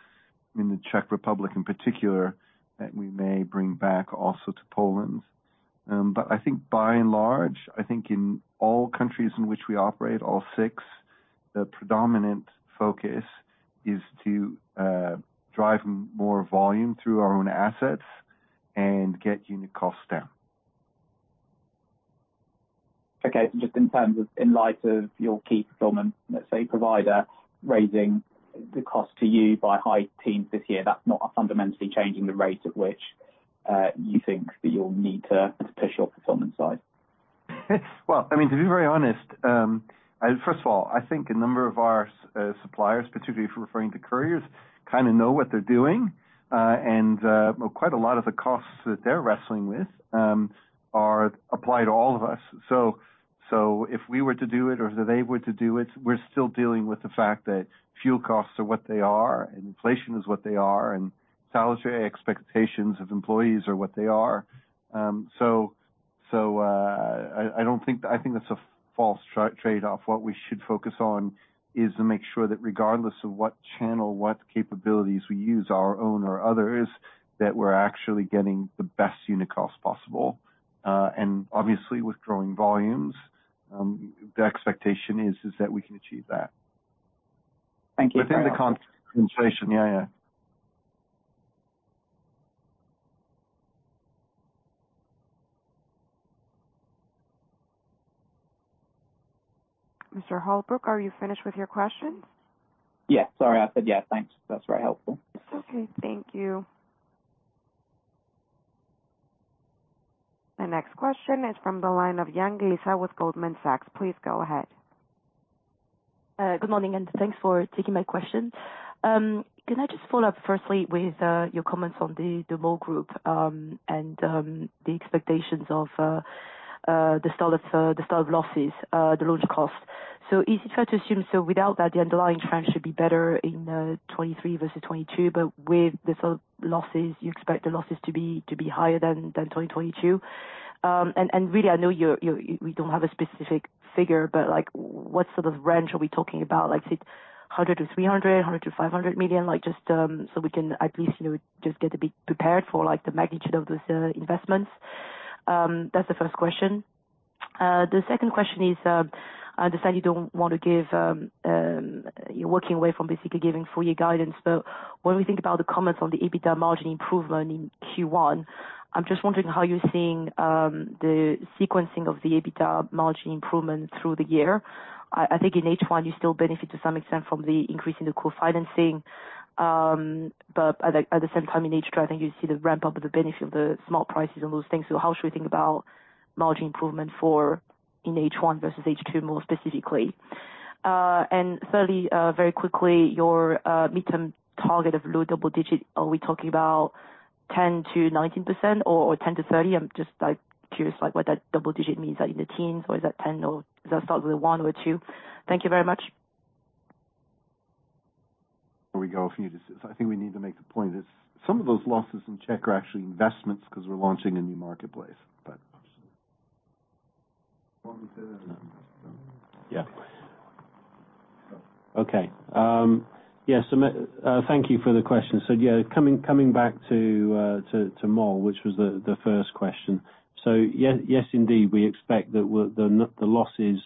Speaker 3: in the Czech Republic in particular, that we may bring back also to Poland. I think by and large, I think in all countries in which we operate, all six, the predominant focus is to drive more volume through our own assets and get unit costs down.
Speaker 6: Okay. Just in terms of in light of your key fulfillment, let's say, provider, raising the cost to you by high teens this year, that's not fundamentally changing the rate at which you think that you'll need to push your fulfillment side.
Speaker 3: Well, I mean, to be very honest, first of all, I think a number of our suppliers, particularly if we're referring to couriers, kinda know what they're doing, and quite a lot of the costs that they're wrestling with are applied to all of us. If we were to do it or if they were to do it, we're still dealing with the fact that fuel costs are what they are and inflation is what they are, and salary expectations of employees are what they are. I think that's a false trade-off. What we should focus on is to make sure that regardless of what channel, what capabilities we use, our own or others, that we're actually getting the best unit cost possible. Obviously, with growing volumes, the expectation is that we can achieve that.
Speaker 6: Thank you.
Speaker 3: Within the context of inflation. Yeah.
Speaker 1: Mr. Holbrook, are you finished with your questions?
Speaker 6: Yeah. Sorry. I said yes. Thanks. That's very helpful.
Speaker 1: It's okay. Thank you. The next question is from the line of Lisa Yang with Goldman Sachs. Please go ahead.
Speaker 7: Good morning, thanks for taking my question. Can I just follow up firstly with your comments on the Mall Group and the expectations of the start of losses, the launch cost. Is it fair to assume, without that, the underlying trend should be better in 2023 versus 2022, but with the sort of losses, you expect the losses to be higher than 2022? And really, I know we don't have a specific figure, but, like, what sort of range are we talking about? Is it 100 million-300 million, 100 million-500 million? Just, we can at least, you know, just get a bit prepared for, like, the magnitude of those investments. That's the first question. The second question is, I understand you don't want to give, you're working away from basically giving full year guidance. When we think about the comments on the EBITDA margin improvement in Q1, I'm just wondering how you're seeing the sequencing of the EBITDA margin improvement through the year. I think in H1, you still benefit to some extent from the increase in the co-financing. But at the same time, in H2, I think you see the ramp-up of the benefit of the small prices and those things. How should we think about margin improvement for in H1 versus H2 more specifically? Thirdly, very quickly, your midterm target of low double digit. Are we talking about 10% to 19% or 10% to 30%? I'm just like curious like what that double digit means. Are you in the teens or is that 10 or does that start with a one or a two? Thank you very much.
Speaker 3: Before we go, I think we need to make the point is some of those losses in Czech are actually investments because we're launching a new marketplace.
Speaker 4: Okay. Thank you for the question. Coming back to Mall, which was the first question. Yes, indeed. We expect that the losses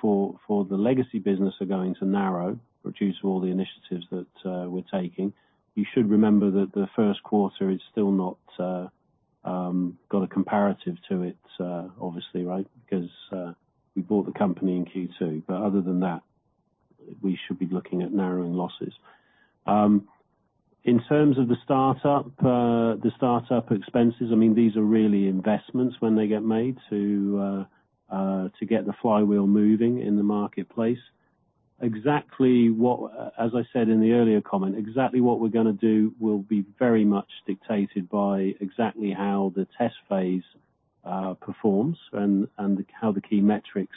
Speaker 4: for the legacy business are going to narrow due to all the initiatives that we're taking. You should remember that the first quarter is still not got a comparative to it, obviously, right? Because we bought the company in Q2. Other than that, we should be looking at narrowing losses. In terms of the startup, the startup expenses, I mean, these are really investments when they get made to get the flywheel moving in the marketplace. Exactly as I said in the earlier comment, exactly what we're gonna do will be very much dictated by exactly how the test phase performs and how the key metrics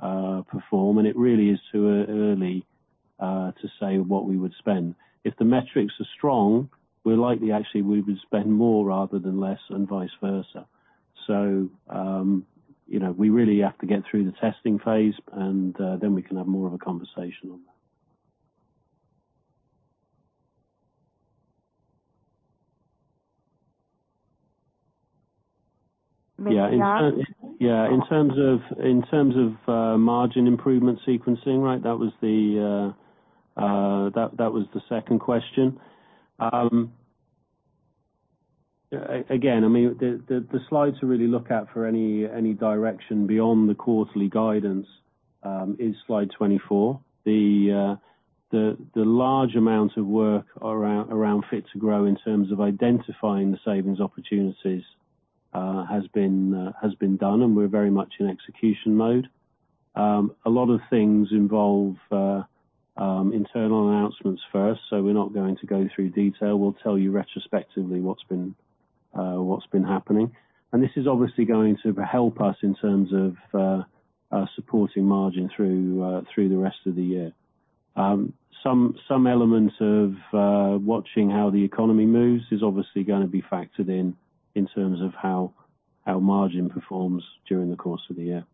Speaker 4: perform. It really is too early to say what we would spend. If the metrics are strong, we're likely, actually, we would spend more rather than less and vice versa. You know, we really have to get through the testing phase and then we can have more of a conversation on that. Yeah. In terms of margin improvement sequencing, right? That was the second question. Again, I mean, the slides to really look at for any direction beyond the quarterly guidance is slide 24. The large amount of work around Fit to Grow in terms of identifying the savings opportunities has been done, and we're very much in execution mode. A lot of things involve internal announcements first, so we're not going to go through detail. We'll tell you retrospectively what's been happening. This is obviously going to help us in terms of supporting margin through the rest of the year. Some elements of watching how the economy moves is obviously going to be factored in terms of how margin performs during the course of the year.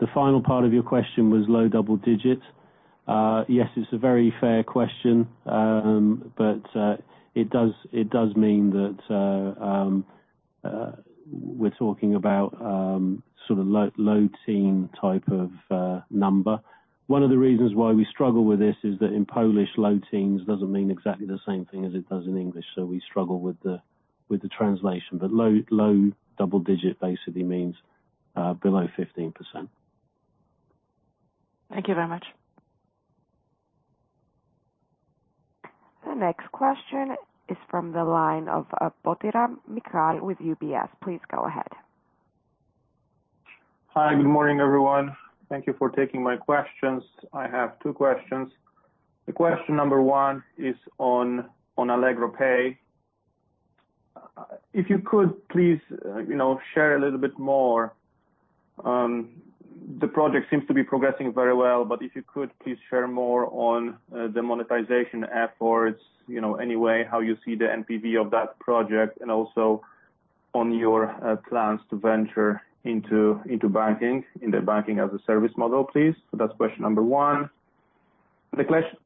Speaker 4: The final part of your question was low double digits. Yes, it's a very fair question. It does mean that we're talking about sort of low teen type of number. One of the reasons why we struggle with this is that in Polish, low teens doesn't mean exactly the same thing as it does in English, so we struggle with the translation. Low double digit basically means, below 15%.
Speaker 7: Thank you very much.
Speaker 1: The next question is from the line of Michał Potyra with UBS. Please go ahead.
Speaker 8: Hi, good morning, everyone. Thank you for taking my questions. I have two questions. The question number one is on Allegro Pay. If you could please, you know, share a little bit more, the project seems to be progressing very well, but if you could, please share more on the monetization efforts, you know, any way how you see the NPV of that project and also on your plans to venture into banking, in the Banking-as-a-Service model, please. That's question number one.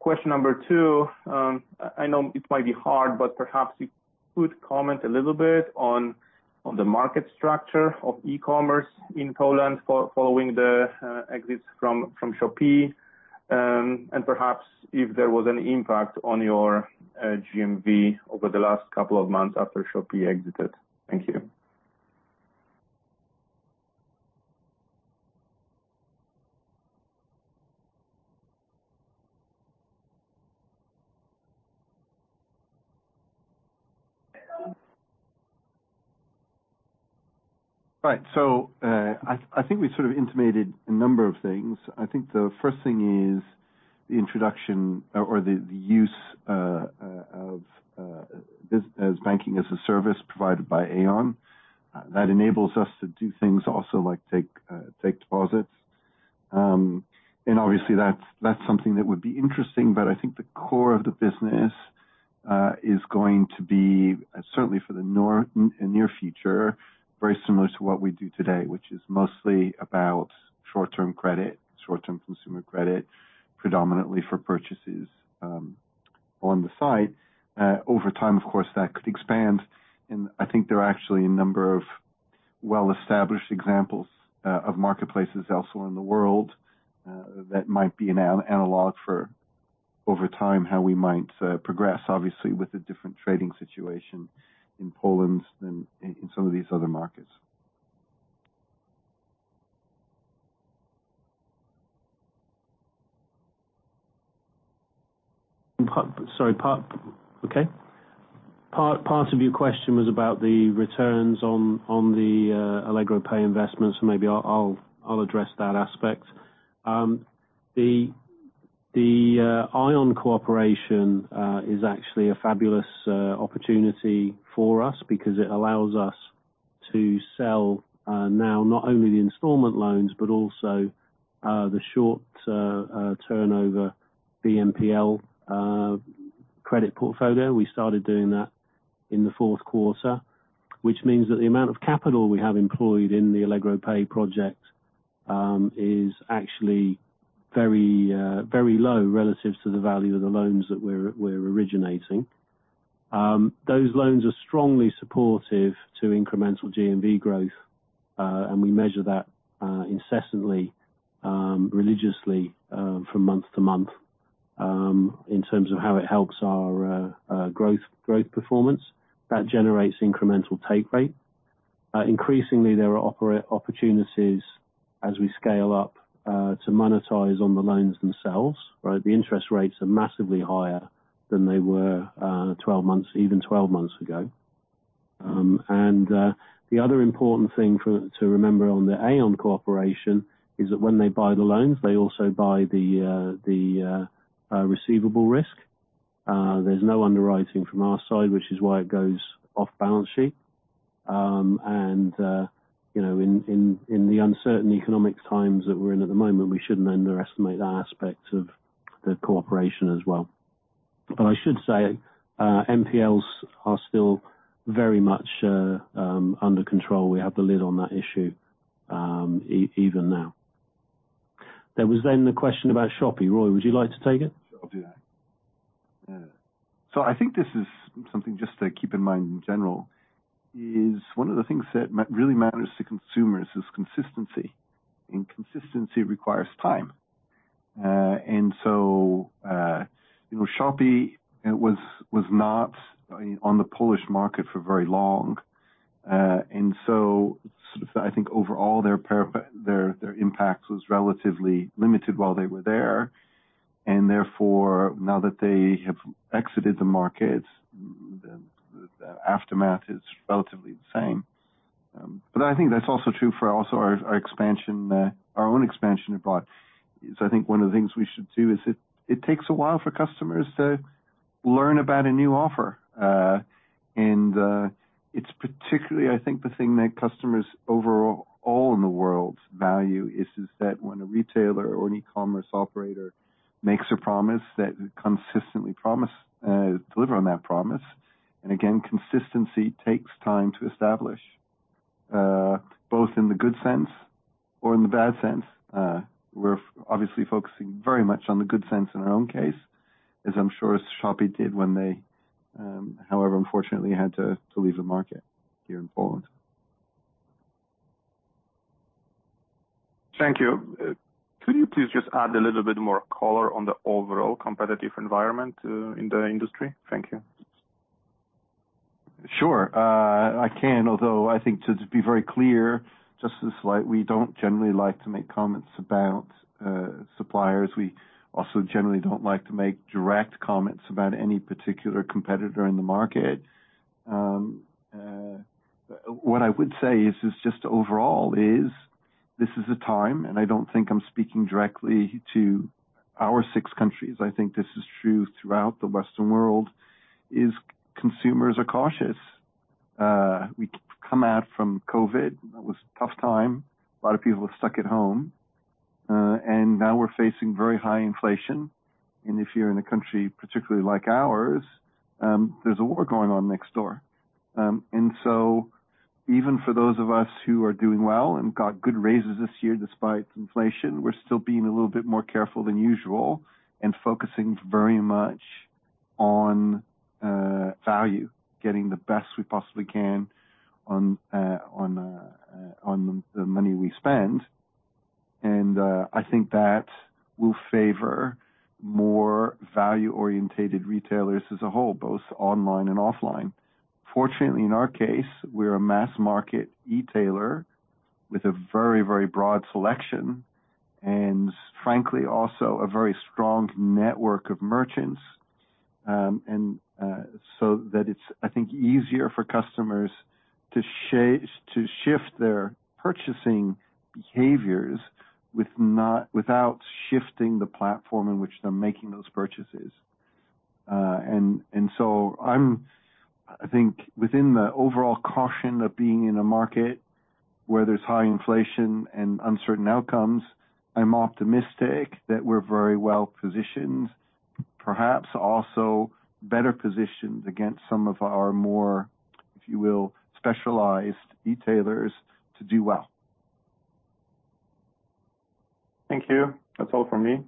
Speaker 8: Question number two, I know it might be hard, but perhaps you could comment a little bit on the market structure of e-commerce in Poland following the exits from Shopee. Perhaps if there was an impact on your GMV over the last couple of months after Shopee exited. Thank you.
Speaker 3: Right. I think we sort of intimated a number of things. I think the first thing is the introduction or the use of this as Banking-as-a-Service provided by Aion Bank that enables us to do things also like take deposits. Obviously that's something that would be interesting. I think the core of the business is going to be, certainly for the near future, very similar to what we do today, which is mostly about short-term credit, short-term consumer credit, predominantly for purchases on the site. Over time, of course, that could expand, and I think there are actually a number of well-established examples of marketplaces also in the world that might be an analog for over time, how we might progress, obviously, with a different trading situation in Poland than in some of these other markets.
Speaker 4: Sorry. Part of your question was about the returns on the Allegro Pay investments. Maybe I'll address that aspect. The Aion cooperation is actually a fabulous opportunity for us because it allows us to sell now not only the installment loans, but also the short turnover BNPL credit portfolio. We started doing that in the fourth quarter. Which means that the amount of capital we have employed in the Allegro Pay project, is actually very, very low relative to the value of the loans that we're originating. Those loans are strongly supportive to incremental GMV growth, and we measure that, incessantly, religiously, from month to month, in terms of how it helps our growth performance. That generates incremental take rate. Increasingly, there are opportunities as we scale up, to monetize on the loans themselves, right? The interest rates are massively higher than they were, 12 months, even 12 months ago. The other important thing to remember on the Aion cooperation is that when they buy the loans, they also buy the receivable risk. There's no underwriting from our side, which is why it goes off-balance sheet. You know, in, in the uncertain economic times that we're in at the moment, we shouldn't underestimate that aspect of the cooperation as well. I should say, NPLs are still very much under control. We have the lid on that issue, even now. There was the question about Shopee. Roy, would you like to take it?
Speaker 3: Sure, I'll do that. I think this is something just to keep in mind in general, is one of the things that really matters to consumers is consistency, and consistency requires time. you know, Shopee was not on the Polish market for very long. Sort of I think overall their impact was relatively limited while they were there, and therefore now that they have exited the market, the aftermath is relatively the same. I think that's also true for also our expansion, our own expansion abroad. I think one of the things we should do is it takes a while for customers to learn about a new offer. It's particularly I think the thing that customers overall in the world value is that when a retailer or an e-commerce operator makes a promise that consistently promise, deliver on that promise. Again, consistency takes time to establish, both in the good sense or in the bad sense. We're obviously focusing very much on the good sense in our own case, as I'm sure Shopee did when they, however, unfortunately had to leave the market here in Poland.
Speaker 8: Thank you. Could you please just add a little bit more color on the overall competitive environment in the industry? Thank you.
Speaker 3: Sure. I can, although I think to just be very clear, we don't generally like to make comments about suppliers. We also generally don't like to make direct comments about any particular competitor in the market. What I would say is just overall is this is a time, I don't think I'm speaking directly to our six countries, I think this is true throughout the Western world, is consumers are cautious. We've come out from COVID. That was a tough time. A lot of people were stuck at home, now we're facing very high inflation. If you're in a country, particularly like ours, there's a war going on next door. Even for those of us who are doing well and got good raises this year despite inflation, we're still being a little bit more careful than usual and focusing very much on value, getting the best we possibly can on the money we spend. I think that will favor more value-oriented retailers as a whole, both online and offline. Fortunately, in our case, we're a mass market e-tailer with a very, very broad selection and frankly also a very strong network of merchants. So that it's, I think, easier for customers to shift their purchasing behaviors with not, without shifting the platform in which they're making those purchases. I think within the overall caution of being in a market where there's high inflation and uncertain outcomes, I'm optimistic that we're very well positioned, perhaps also better positioned against some of our more, if you will, specialized e-tailers to do well.
Speaker 8: Thank you. That's all for me.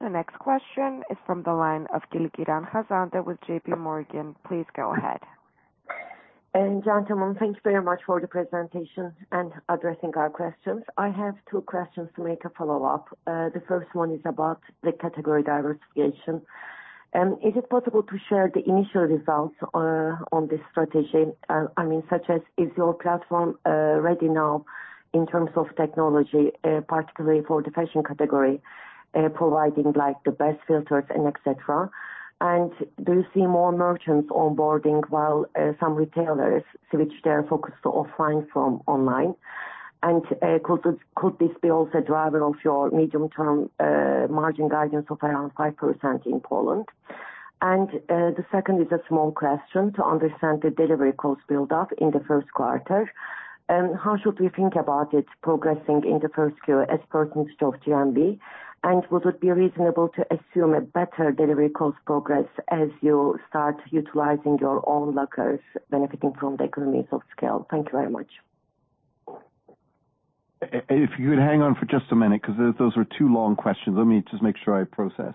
Speaker 1: The next question is from the line of Hanzade Kilickiran with J.P. Morgan. Please go ahead.
Speaker 9: Gentlemen, thank you very much for the presentation and addressing our questions. I have two questions, later a follow-up. The first one is about the category diversification. Is it possible to share the initial results on this strategy? I mean, such as is your platform ready now in terms of technology, particularly for the fashion category, providing like the best filters and et cetera? Do you see more merchants onboarding while some retailers switch their focus to offline from online? Could this be also a driver of your medium-term margin guidance of around 5% in Poland? The second is a small question to understand the delivery cost build-up in the first quarter. How should we think about it progressing in the first quarter as percentage of GMV? Would it be reasonable to assume a better delivery cost progress as you start utilizing your own lockers benefiting from the economies of scale? Thank you very much.
Speaker 3: If you could hang on for just a minute because those were two long questions. Let me just make sure I process.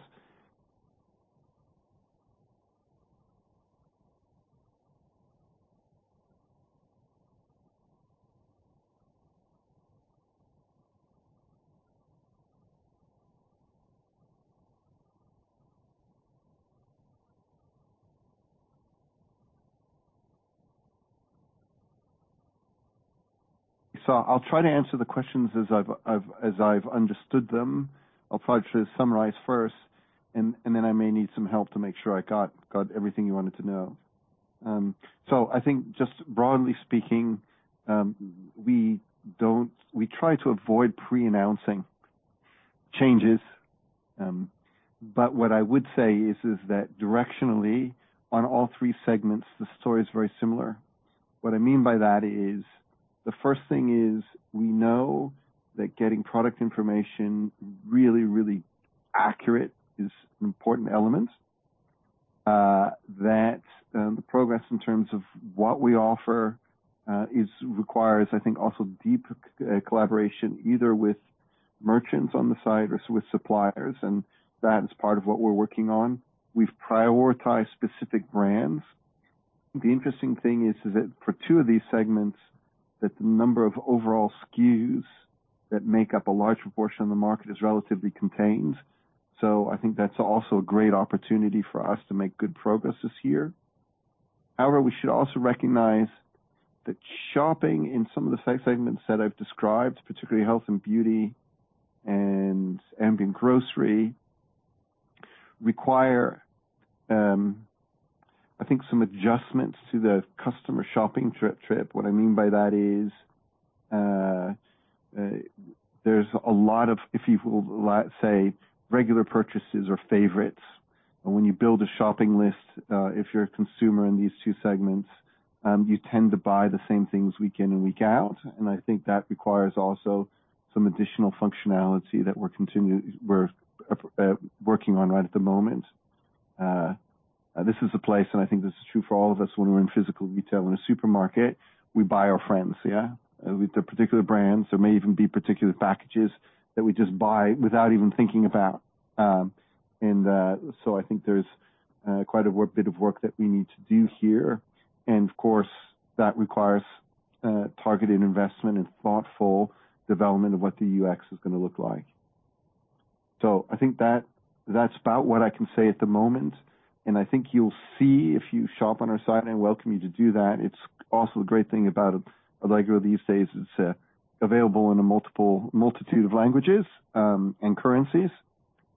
Speaker 3: I'll try to answer the questions as I've understood them. I'll try to summarize first and then I may need some help to make sure I got everything you wanted to know. I think just broadly speaking, we try to avoid pre-announcing changes. What I would say is that directionally on all three segments the story is very similar. What I mean by that is, the first thing is we know that getting product information really accurate is an important element. That, the progress in terms of what we offer, is requires, I think also deep, collaboration either with merchants on the side or with suppliers. That is part of what we're working on. We've prioritized specific brands. The interesting thing is that for two of these segments, that the number of overall SKUs that make up a large portion of the market is relatively contained. I think that's also a great opportunity for us to make good progress this year. We should also recognize that shopping in some of the same segments that I've described, particularly health and beauty and in grocery, require, I think some adjustments to the customer shopping trip. What I mean by that is, there's a lot of, if you will, let's say regular purchases or favorites. When you build a shopping list, if you're a consumer in these two segments, you tend to buy the same things week in and week out. I think that requires also some additional functionality that we're working on right at the moment. This is a place, and I think this is true for all of us when we're in physical retail. In a supermarket, we buy our friends. Yeah. With their particular brands. There may even be particular packages that we just buy without even thinking about. I think there's bit of work that we need to do here. Of course, that requires targeted investment and thoughtful development of what the UX is gonna look like. I think that's about what I can say at the moment. I think you'll see if you shop on our site. I welcome you to do that. It's also a great thing about Allegro these days. It's available in a multitude of languages, and currencies.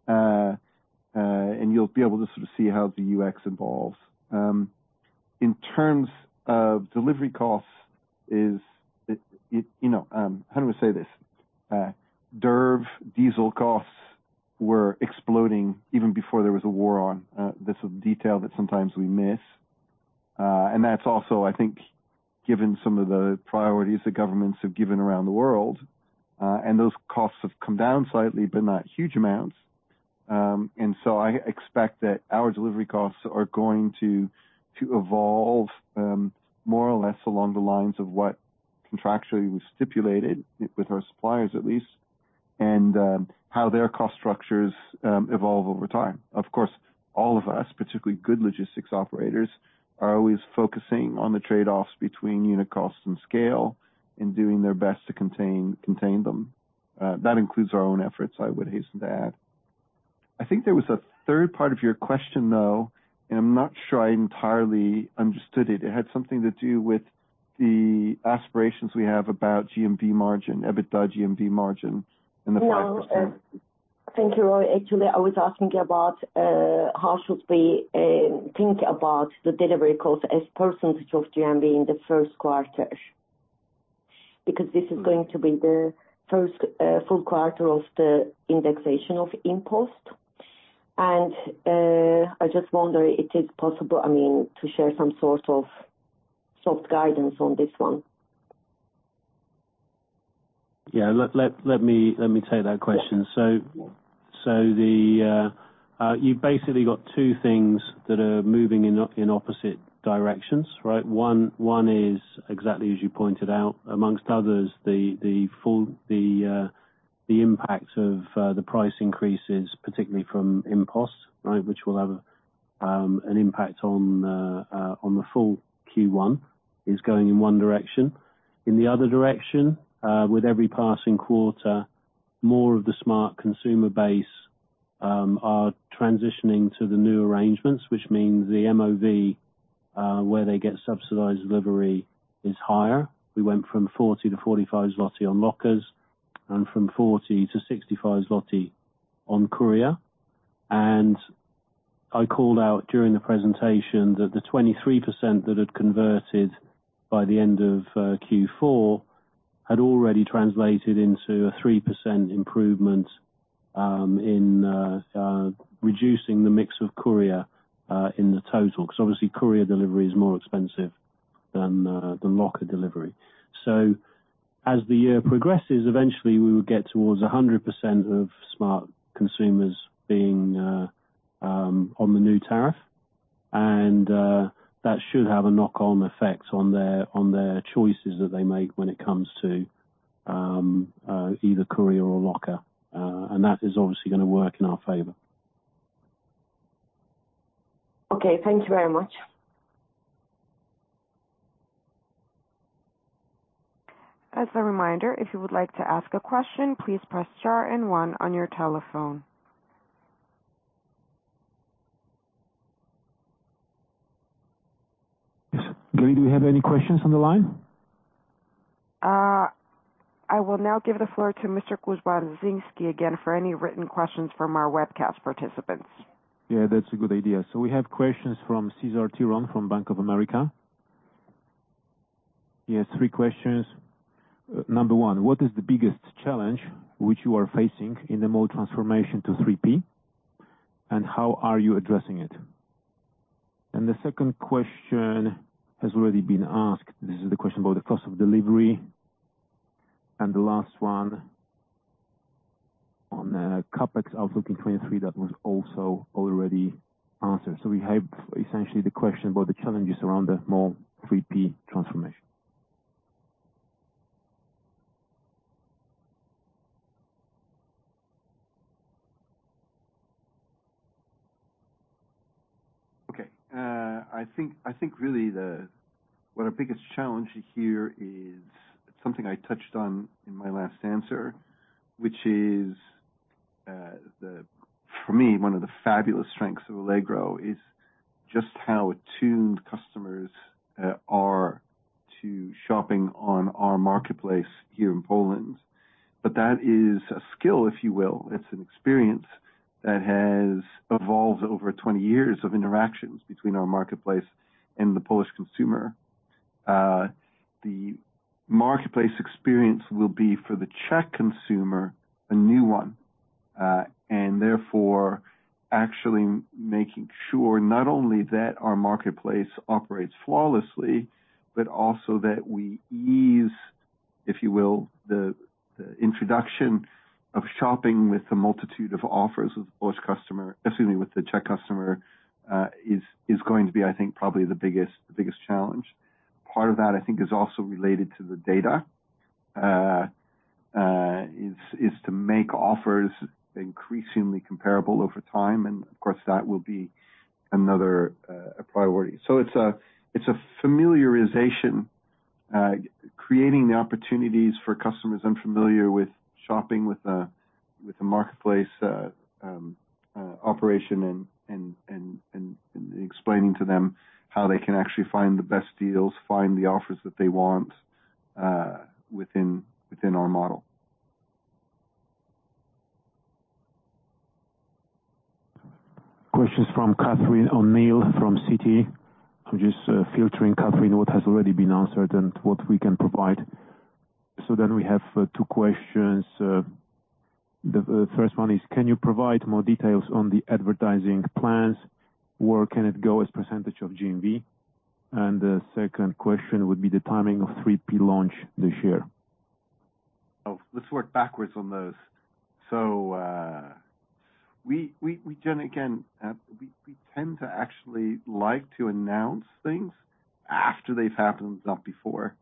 Speaker 3: You'll be able to sort of see how the UX evolves. In terms of delivery costs, is it, you know, how do we say this? Diesel costs were exploding even before there was a war on, this detail that sometimes we miss. That's also, I think, given some of the priorities that governments have given around the world, and those costs have come down slightly, but not huge amounts. I expect that our delivery costs are going to evolve more or less along the lines of what contractually was stipulated with our suppliers, at least, and how their cost structures evolve over time. Of course, all of us, particularly good logistics operators, are always focusing on the trade-offs between unit costs and scale and doing their best to contain them. That includes our own efforts, I would hasten to add. I think there was a third part of your question, though, and I'm not sure I entirely understood it. It had something to do with the aspirations we have about GMV margin, EBITDA GMV margin and the 5%-
Speaker 9: Thank you, Roy. Actually, I was asking about how should we think about the delivery cost as percentage of GMV in the first quarter? Because this is going to be the first full quarter of the indexation of InPost. I just wonder if it is possible, I mean, to share some sort of soft guidance on this one.
Speaker 4: Yeah. Let me take that question. You basically got two things that are moving in opposite directions, right? One is exactly as you pointed out, amongst others, the full impact of the price increases, particularly from InPost, right? Which will have an impact on the full Q1, is going in one direction. In the other direction, with every passing quarter, more of the Smart! consumer base are transitioning to the new arrangements, which means the MOV where they get subsidized delivery is higher. We went from 40-45 zloty on lockers and from 40-65 zloty on courier. I called out during the presentation that the 23% that had converted by the end of Q4 had already translated into a 3% improvement in reducing the mix of courier in the total. 'Cause obviously courier delivery is more expensive than locker delivery. As the year progresses, eventually we will get towards 100% of Smart! consumers being on the new tariff. That should have a knock on effect on their choices that they make when it comes to either courier or locker. That is obviously gonna work in our favor.
Speaker 9: Okay. Thank you very much.
Speaker 1: As a reminder, if you would like to ask a question, please press star and one on your telephone.
Speaker 3: Yes. Gaily, do we have any questions on the line?
Speaker 1: I will now give the floor to Mr. Kuzawiński again for any written questions from our webcast participants.
Speaker 2: Yeah, that's a good idea. We have questions from Cezar Tiron from Bank of America. He has three questions. Number one, what is the biggest challenge which you are facing in the Mall transformation to 3P, and how are you addressing it? The second question has already been asked. This is the question about the cost of delivery. The last one on the CapEx outlook in 2023, that was also already answered. We have essentially the question about the challenges around the Mall 3P transformation.
Speaker 3: I think really the, what our biggest challenge here is something I touched on in my last answer, which is, for me, one of the fabulous strengths of Allegro is just how attuned customers are to shopping on our marketplace here in Poland. That is a skill, if you will. It's an experience that has evolved over 20 years of interactions between our marketplace and the Polish consumer. The marketplace experience will be for the Czech consumer, a new one. Therefore actually making sure not only that our marketplace operates flawlessly, but also that we ease, if you will, the introduction of shopping with the multitude of offers with the Polish customer, excuse me, with the Czech customer, is going to be, I think, probably the biggest challenge. Part of that, I think, is also related to the data. Is to make offers increasingly comparable over time, and of course, that will be another priority. It's a, it's a familiarization, creating the opportunities for customers unfamiliar with shopping with a, with a marketplace operation and explaining to them how they can actually find the best deals, find the offers that they want within our model.
Speaker 2: Questions from Catherine O'Neill from Citi. I'm just filtering Catherine, what has already been answered and what we can provide. We have two questions. The first one is can you provide more details on the advertising plans? Where can it go as percentage of GMV? The second question would be the timing of 3P launch this year.
Speaker 3: Let's work backwards on those. We tend to actually like to announce things after they've happened, not before.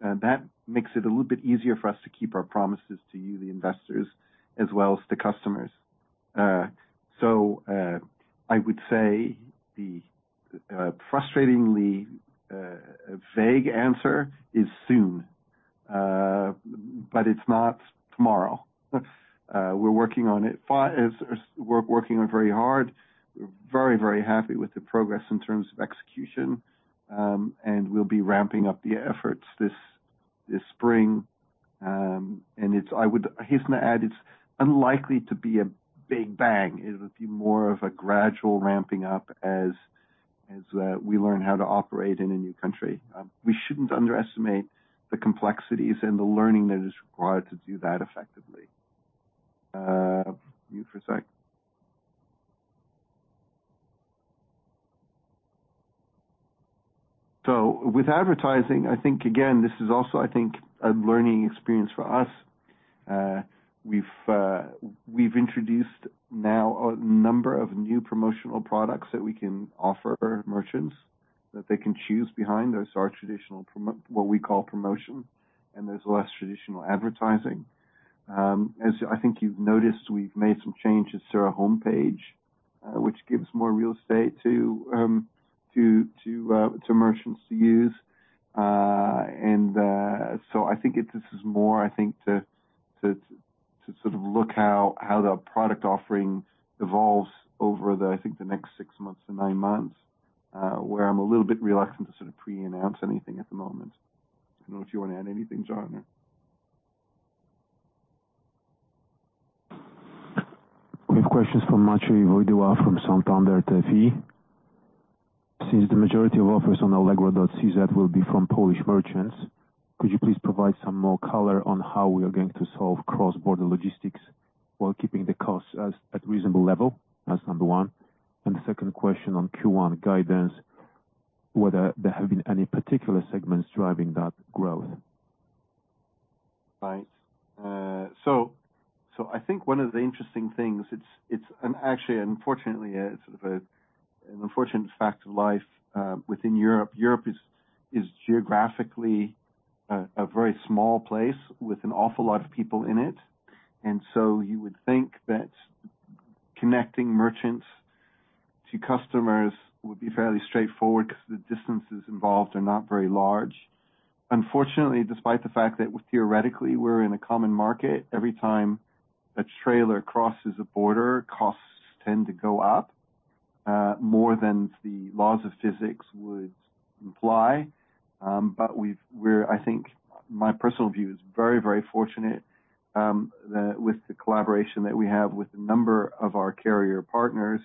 Speaker 3: That makes it a little bit easier for us to keep our promises to you, the investors, as well as the customers. I would say the frustratingly vague answer is soon. It's not tomorrow. We're working on it. We're working on it very hard. We're very happy with the progress in terms of execution. We'll be ramping up the efforts this spring. I would hasten to add it's unlikely to be a big bang. It'll be more of a gradual ramping up as we learn how to operate in a new country. We shouldn't underestimate the complexities and the learning that is required to do that effectively. Mute for a sec. With advertising, I think again, this is also, I think, a learning experience for us. We've introduced now a number of new promotional products that we can offer merchants that they can choose behind. Those are traditional what we call promotion, and there's less traditional advertising. As I think you've noticed, we've made some changes to our homepage, which gives more real estate to merchants to use. I think this is more, I think to sort of look how the product offering evolves over the next six months to nine months, where I'm a little bit reluctant to sort of pre-announce anything at the moment. I don't know if you wanna add anything, Jon.
Speaker 2: We have questions from Maciej Wojdyła from Santander TFI. Since the majority of offers on allegro.cz will be from Polish merchants, could you please provide some more color on how we are going to solve cross-border logistics while keeping the costs at reasonable level? That's number one. The second question on Q1 guidance, whether there have been any particular segments driving that growth.
Speaker 3: Right. So I think one of the interesting things, it's actually unfortunately, a sort of an unfortunate fact of life within Europe. Europe is geographically a very small place with an awful lot of people in it. So you would think that connecting merchants to customers would be fairly straightforward because the distances involved are not very large. Unfortunately, despite the fact that theoretically we're in a common market, every time a trailer crosses a border, costs tend to go up more than the laws of physics would imply. We've, we're, I think my personal view is very, very fortunate that with the collaboration that we have with a number of our carrier partners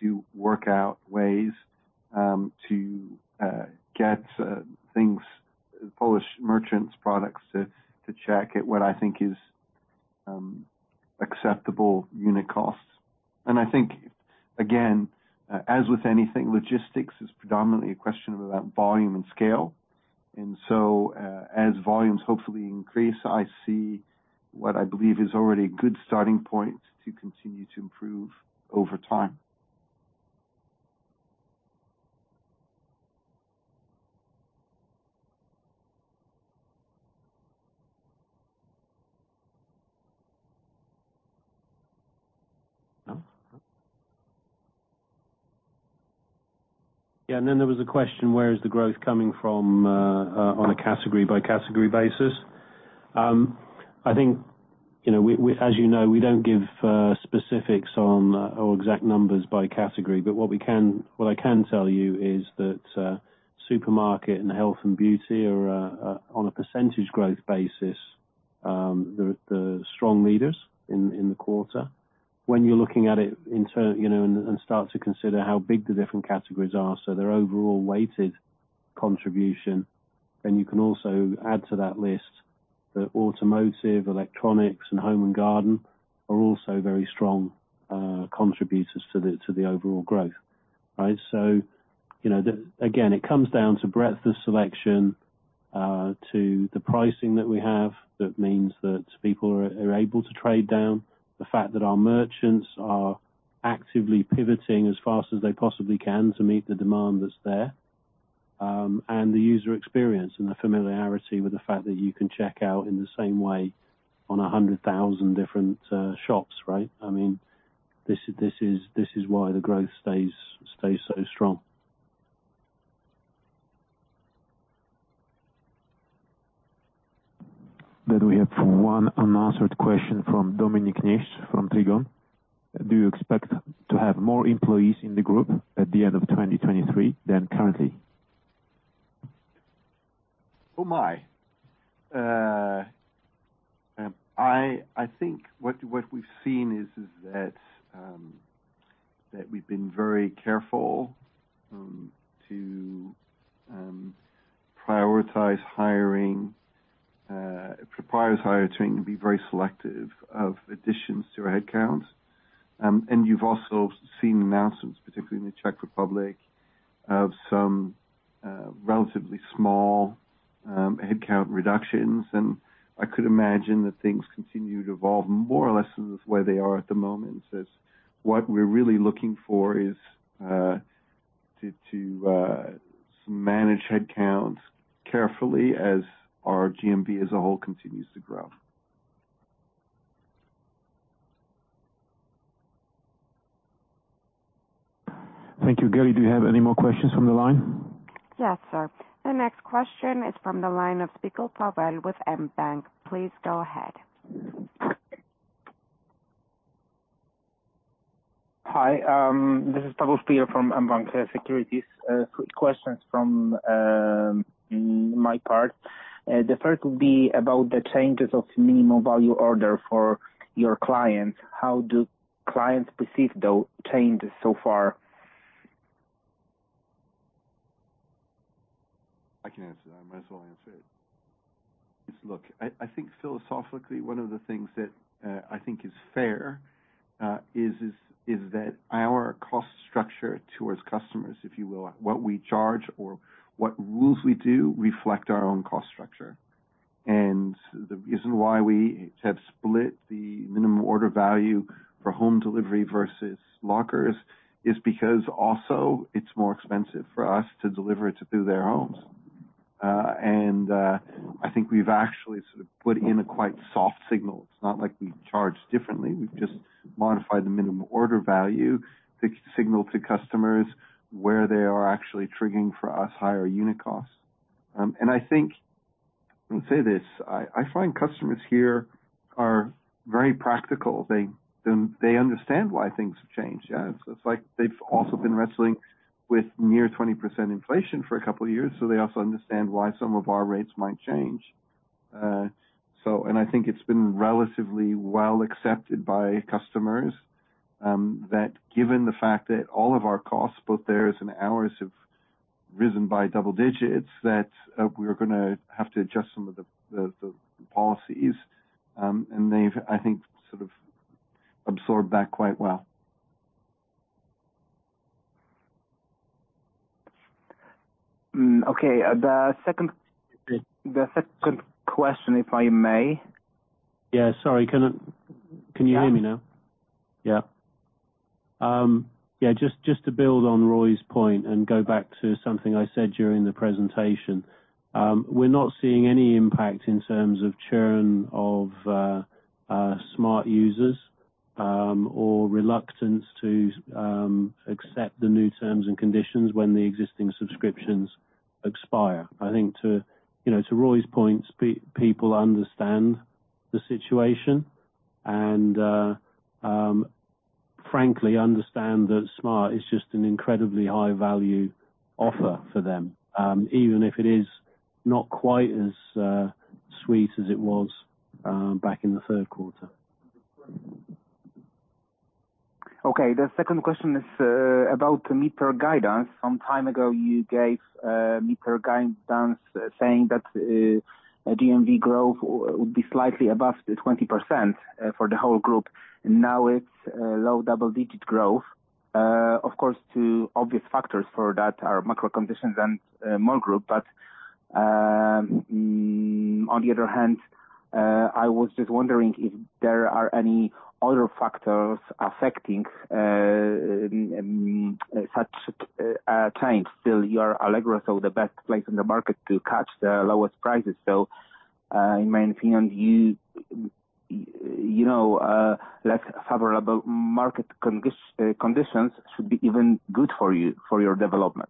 Speaker 3: to work out ways to get things, Polish merchants products to Czech at what I think is acceptable unit costs. I think, again, as with anything, logistics is predominantly a question about volume and scale. As volumes hopefully increase, I see what I believe is already a good starting point to continue to improve over time.
Speaker 4: There was a question, where is the growth coming from on a category by category basis? I think, you know, as you know, we don't give specifics on or exact numbers by category, what I can tell you is that supermarket and health and beauty are on a percentage growth basis, they're strong leaders in the quarter. When you're looking at it in term, you know, and start to consider how big the different categories are, their overall weighted contribution, you can also add to that list the automotive, electronics and home and garden are also very strong contributors to the overall growth, right? You know, Again, it comes down to breadth of selection, to the pricing that we have. That means that people are able to trade down. The fact that our merchants are actively pivoting as fast as they possibly can to meet the demand that's there, and the user experience and the familiarity with the fact that you can check out in the same way on 100,000 different shops, right? I mean, this is why the growth stays so strong.
Speaker 2: We have one unanswered question from Dominik Niszcz from Trigon. Do you expect to have more employees in the group at the end of 2023 than currently?
Speaker 3: Oh, my. I think what we've seen is that we've been very careful to prioritize hiring, to be very selective of additions to our headcount. You've also seen announcements, particularly in the Czech Republic, of some relatively small headcount reductions, and I could imagine that things continue to evolve more or less as where they are at the moment, as what we're really looking for is to manage headcount carefully as our GMV as a whole continues to grow.
Speaker 2: Thank you. Gaily, do you have any more questions from the line?
Speaker 1: Yes, sir. The next question is from the line of Paweł Spychalski with mBank. Please go ahead.
Speaker 10: Hi, this is Paweł Spychalski from mBank Securities. Three questions from my part. The first would be about the changes of minimum value order for your clients. How do clients perceive the changes so far?
Speaker 3: I can answer. I might as well answer it. Look, I think philosophically one of the things that I think is fair is that our cost structure towards customers, if you will, what we charge or what rules we do reflect our own cost structure. The reason why we have split the minimum order value for home delivery versus lockers is because also it's more expensive for us to deliver it to their homes. I think we've actually sort of put in a quite soft signal. It's not like we charge differently. We've just modified the minimum order value to signal to customers where they are actually triggering for us higher unit costs. I'll say this, I find customers here are very practical. They understand why things have changed. Yeah, it's like they've also been wrestling with near 20% inflation for a couple of years, so they also understand why some of our rates might change. I think it's been relatively well accepted by customers, that given the fact that all of our costs, both theirs and ours, have risen by double digits, that we're gonna have to adjust some of the policies. They've, I think, sort of absorbed that quite well.
Speaker 10: Okay. The second question, if I may.
Speaker 4: Yeah, sorry. Can you hear me now?
Speaker 10: Yeah.
Speaker 4: Yeah. Just to build on Roy's point and go back to something I said during the presentation. We're not seeing any impact in terms of churn of Smart! users or reluctance to accept the new terms and conditions when the existing subscriptions expire. I think to, you know, to Roy's point, people understand the situation and frankly, understand that Smart! is just an incredibly high value offer for them, even if it is not quite as sweet as it was back in the third quarter.
Speaker 10: Okay. The second question is about mid-term guidance. Some time ago, you gave a mid-term guidance saying that GMV growth would be slightly above the 20% for the whole group, and now it's low double digit growth. Of course, two obvious factors for that are macro conditions and Mall Group. On the other hand, I was just wondering if there are any other factors affecting such change. Still your Allegro is still the best place in the market to catch the lowest prices. In my opinion, you know, like favorable market conditions should be even good for you, for your development.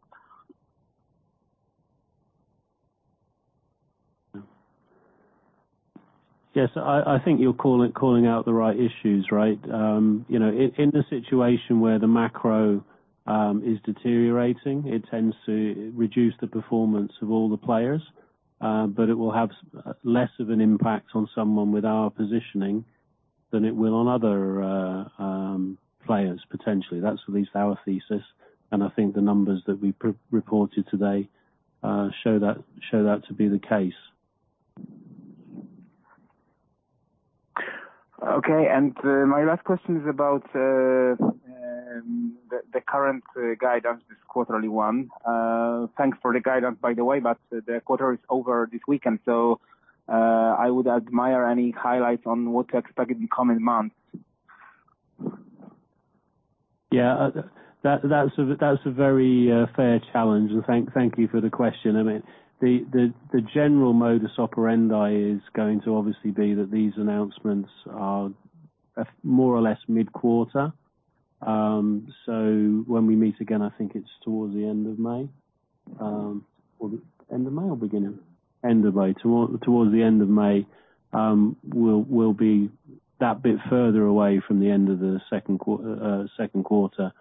Speaker 4: Yes. I think you're calling out the right issues, right. You know, in the situation where the macro is deteriorating, it tends to reduce the performance of all the players. It will have less of an impact on someone with our positioning than it will on other players potentially. That's at least our thesis, and I think the numbers that we reported today show that to be the case.
Speaker 10: Okay. My last question is about the current guidance, this quarterly one. Thanks for the guidance, by the way. The quarter is over this weekend. I would admire any highlights on what to expect in the coming months.
Speaker 4: Yeah. That's a very fair challenge. Thank you for the question. I mean, the general modus operandi is going to obviously be that these announcements are more or less mid-quarter. When we meet again, I think it's towards the end of May. End of May or beginning? End of May. Towards the end of May, we'll be that bit further away from the end of the second quarter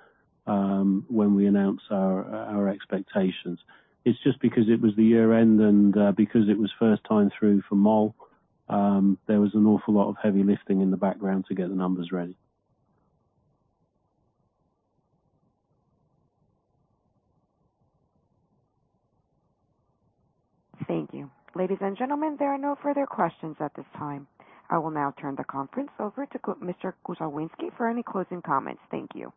Speaker 4: when we announce our expectations. It's just because it was the year-end and because it was first time through for Mall Group, there was an awful lot of heavy lifting in the background to get the numbers ready.
Speaker 1: Thank you. Ladies and gentlemen, there are no further questions at this time. I will now turn the conference over to Mr. Kuzawiński for any closing comments. Thank you.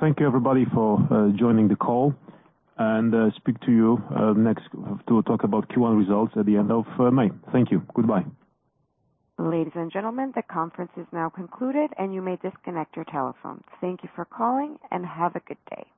Speaker 2: Thank you, everybody, for joining the call and speak to you next to talk about Q1 results at the end of May. Thank you. Goodbye.
Speaker 1: Ladies and gentlemen, the conference is now concluded, and you may disconnect your telephone. Thank you for calling, and have a good day.